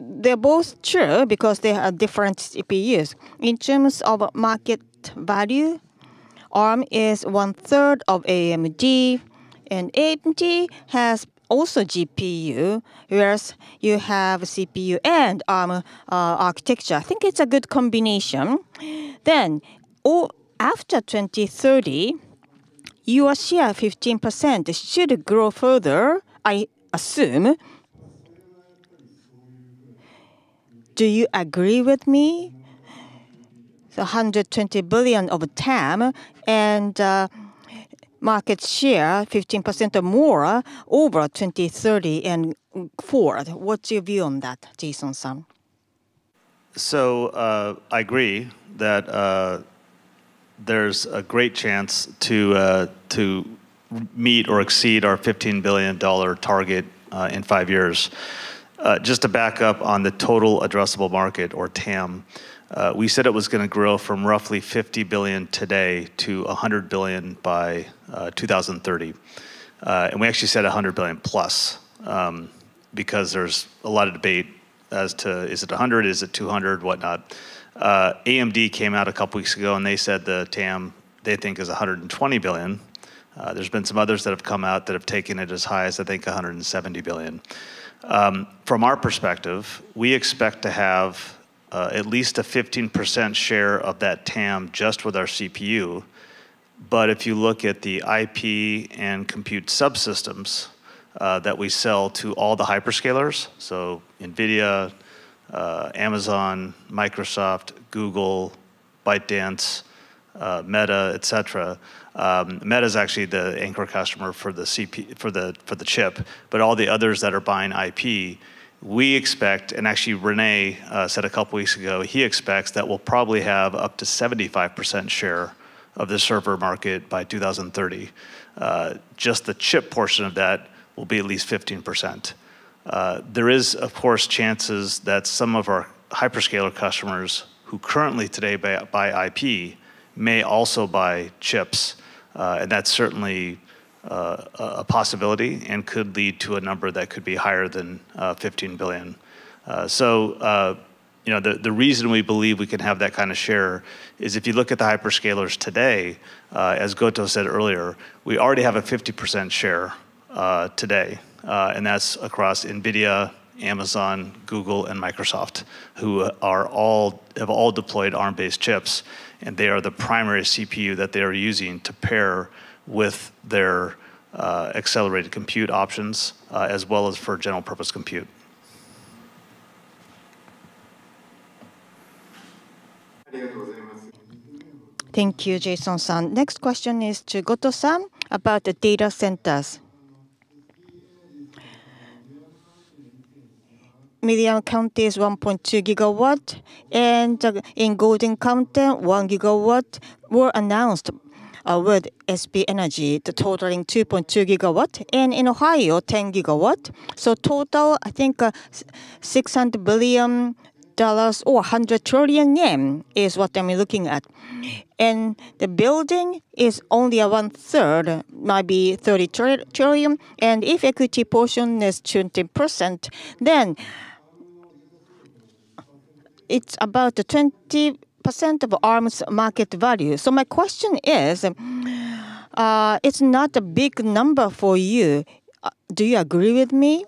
they're both true because they are different CPUs. In terms of market value, Arm is one third of AMD, and AMD has also GPU, whereas you have CPU and Arm architecture. I think it's a good combination. Or after 2030, your share 15% should grow further, I assume. Do you agree with me? The 120 billion of TAM and market share 15% or more over 2030 and forward. What's your view on that, Jason-san? I agree that there's a great chance to meet or exceed our $15 billion target in five years. Just to back up on the total addressable market or TAM, we said it was gonna grow from roughly $50 billion today to $100 billion by 2030. And we actually said $100 billion+, because there's a lot of debate as to is it $100 billion, is it $200 billion, whatnot. AMD came out a couple of weeks ago, and they said the TAM they think is $120 billion. There's been some others that have come out that have taken it as high as I think $170 billion. From our perspective, we expect to have at least a 15% share of that TAM just with our CPU. If you look at the IP and compute subsystems that we sell to all the hyperscalers, so NVIDIA, Amazon, Microsoft, Google, ByteDance, Meta, etc. Meta is actually the anchor customer for the chip. All the others that are buying IP, we expect, and actually Rene said a couple weeks ago, he expects that we'll probably have up to 75% share of the server market by 2030. Just the chip portion of that will be at least 15%. There is, of course, chances that some of our hyperscaler customers who currently today buy IP may also buy chips, and that's certainly a possibility and could lead to a number that could be higher than 15 billion. The reason we believe we can have that kinda share is if you look at the hyperscalers today, as Goto said earlier, we already have a 50% share today. That's across NVIDIA, Amazon, Google, and Microsoft, who have all deployed Arm-based chips, and they are the primary CPU that they are using to pair with their accelerated compute options, as well as for general purpose compute. Thank you, Jason-san. Next question is to Goto-san about the data centers. Milam County is 1.2GW and in Golden Count, 1GW were announced with SB Energy, totaling 2.2GW and in Ohio, 10GW. Total, I think, $600 billion or 100 trillion yen is what I'm looking at. The building is only a one-third, might be 30 trillion JPY. If equity portion is 20%, then it's about the 20% of Arm's market value. My question is, it's not a big number for you. Do you agree with me?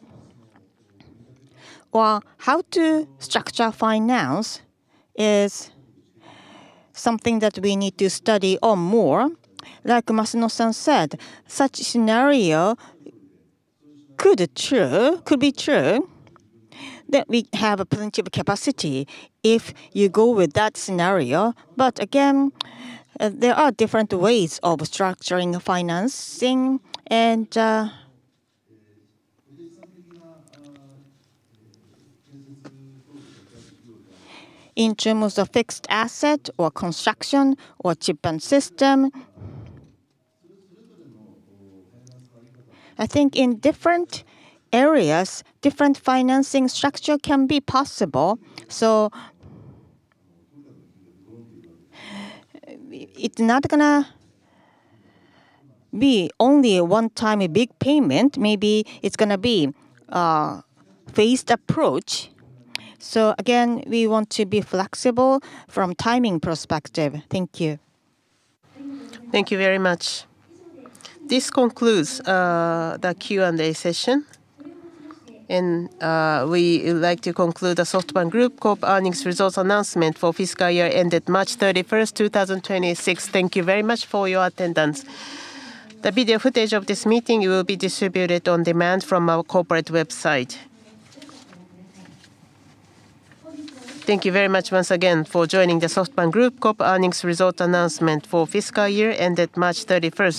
How to structure finance is something that we need to study on more. Masuno-san said, such scenario could be true, that we have a plenty of capacity if you go with that scenario. Again, there are different ways of structuring financing and in terms of fixed asset or construction or chip and system. I think in different areas, different financing structure can be possible. It's not going to be only a one-time, a big payment. Maybe it's going to be a phased approach. Again, we want to be flexible from timing perspective. Thank you. Thank you very much. This concludes the Q&A session. We would like to conclude the SoftBank Group Corp earnings results announcement for fiscal year ended March 31st, 2026. Thank you very much for your attendance. The video footage of this meeting will be distributed on demand from our corporate website. Thank you very much once again for joining the SoftBank Group Corp earnings result announcement for fiscal year ended March 31st.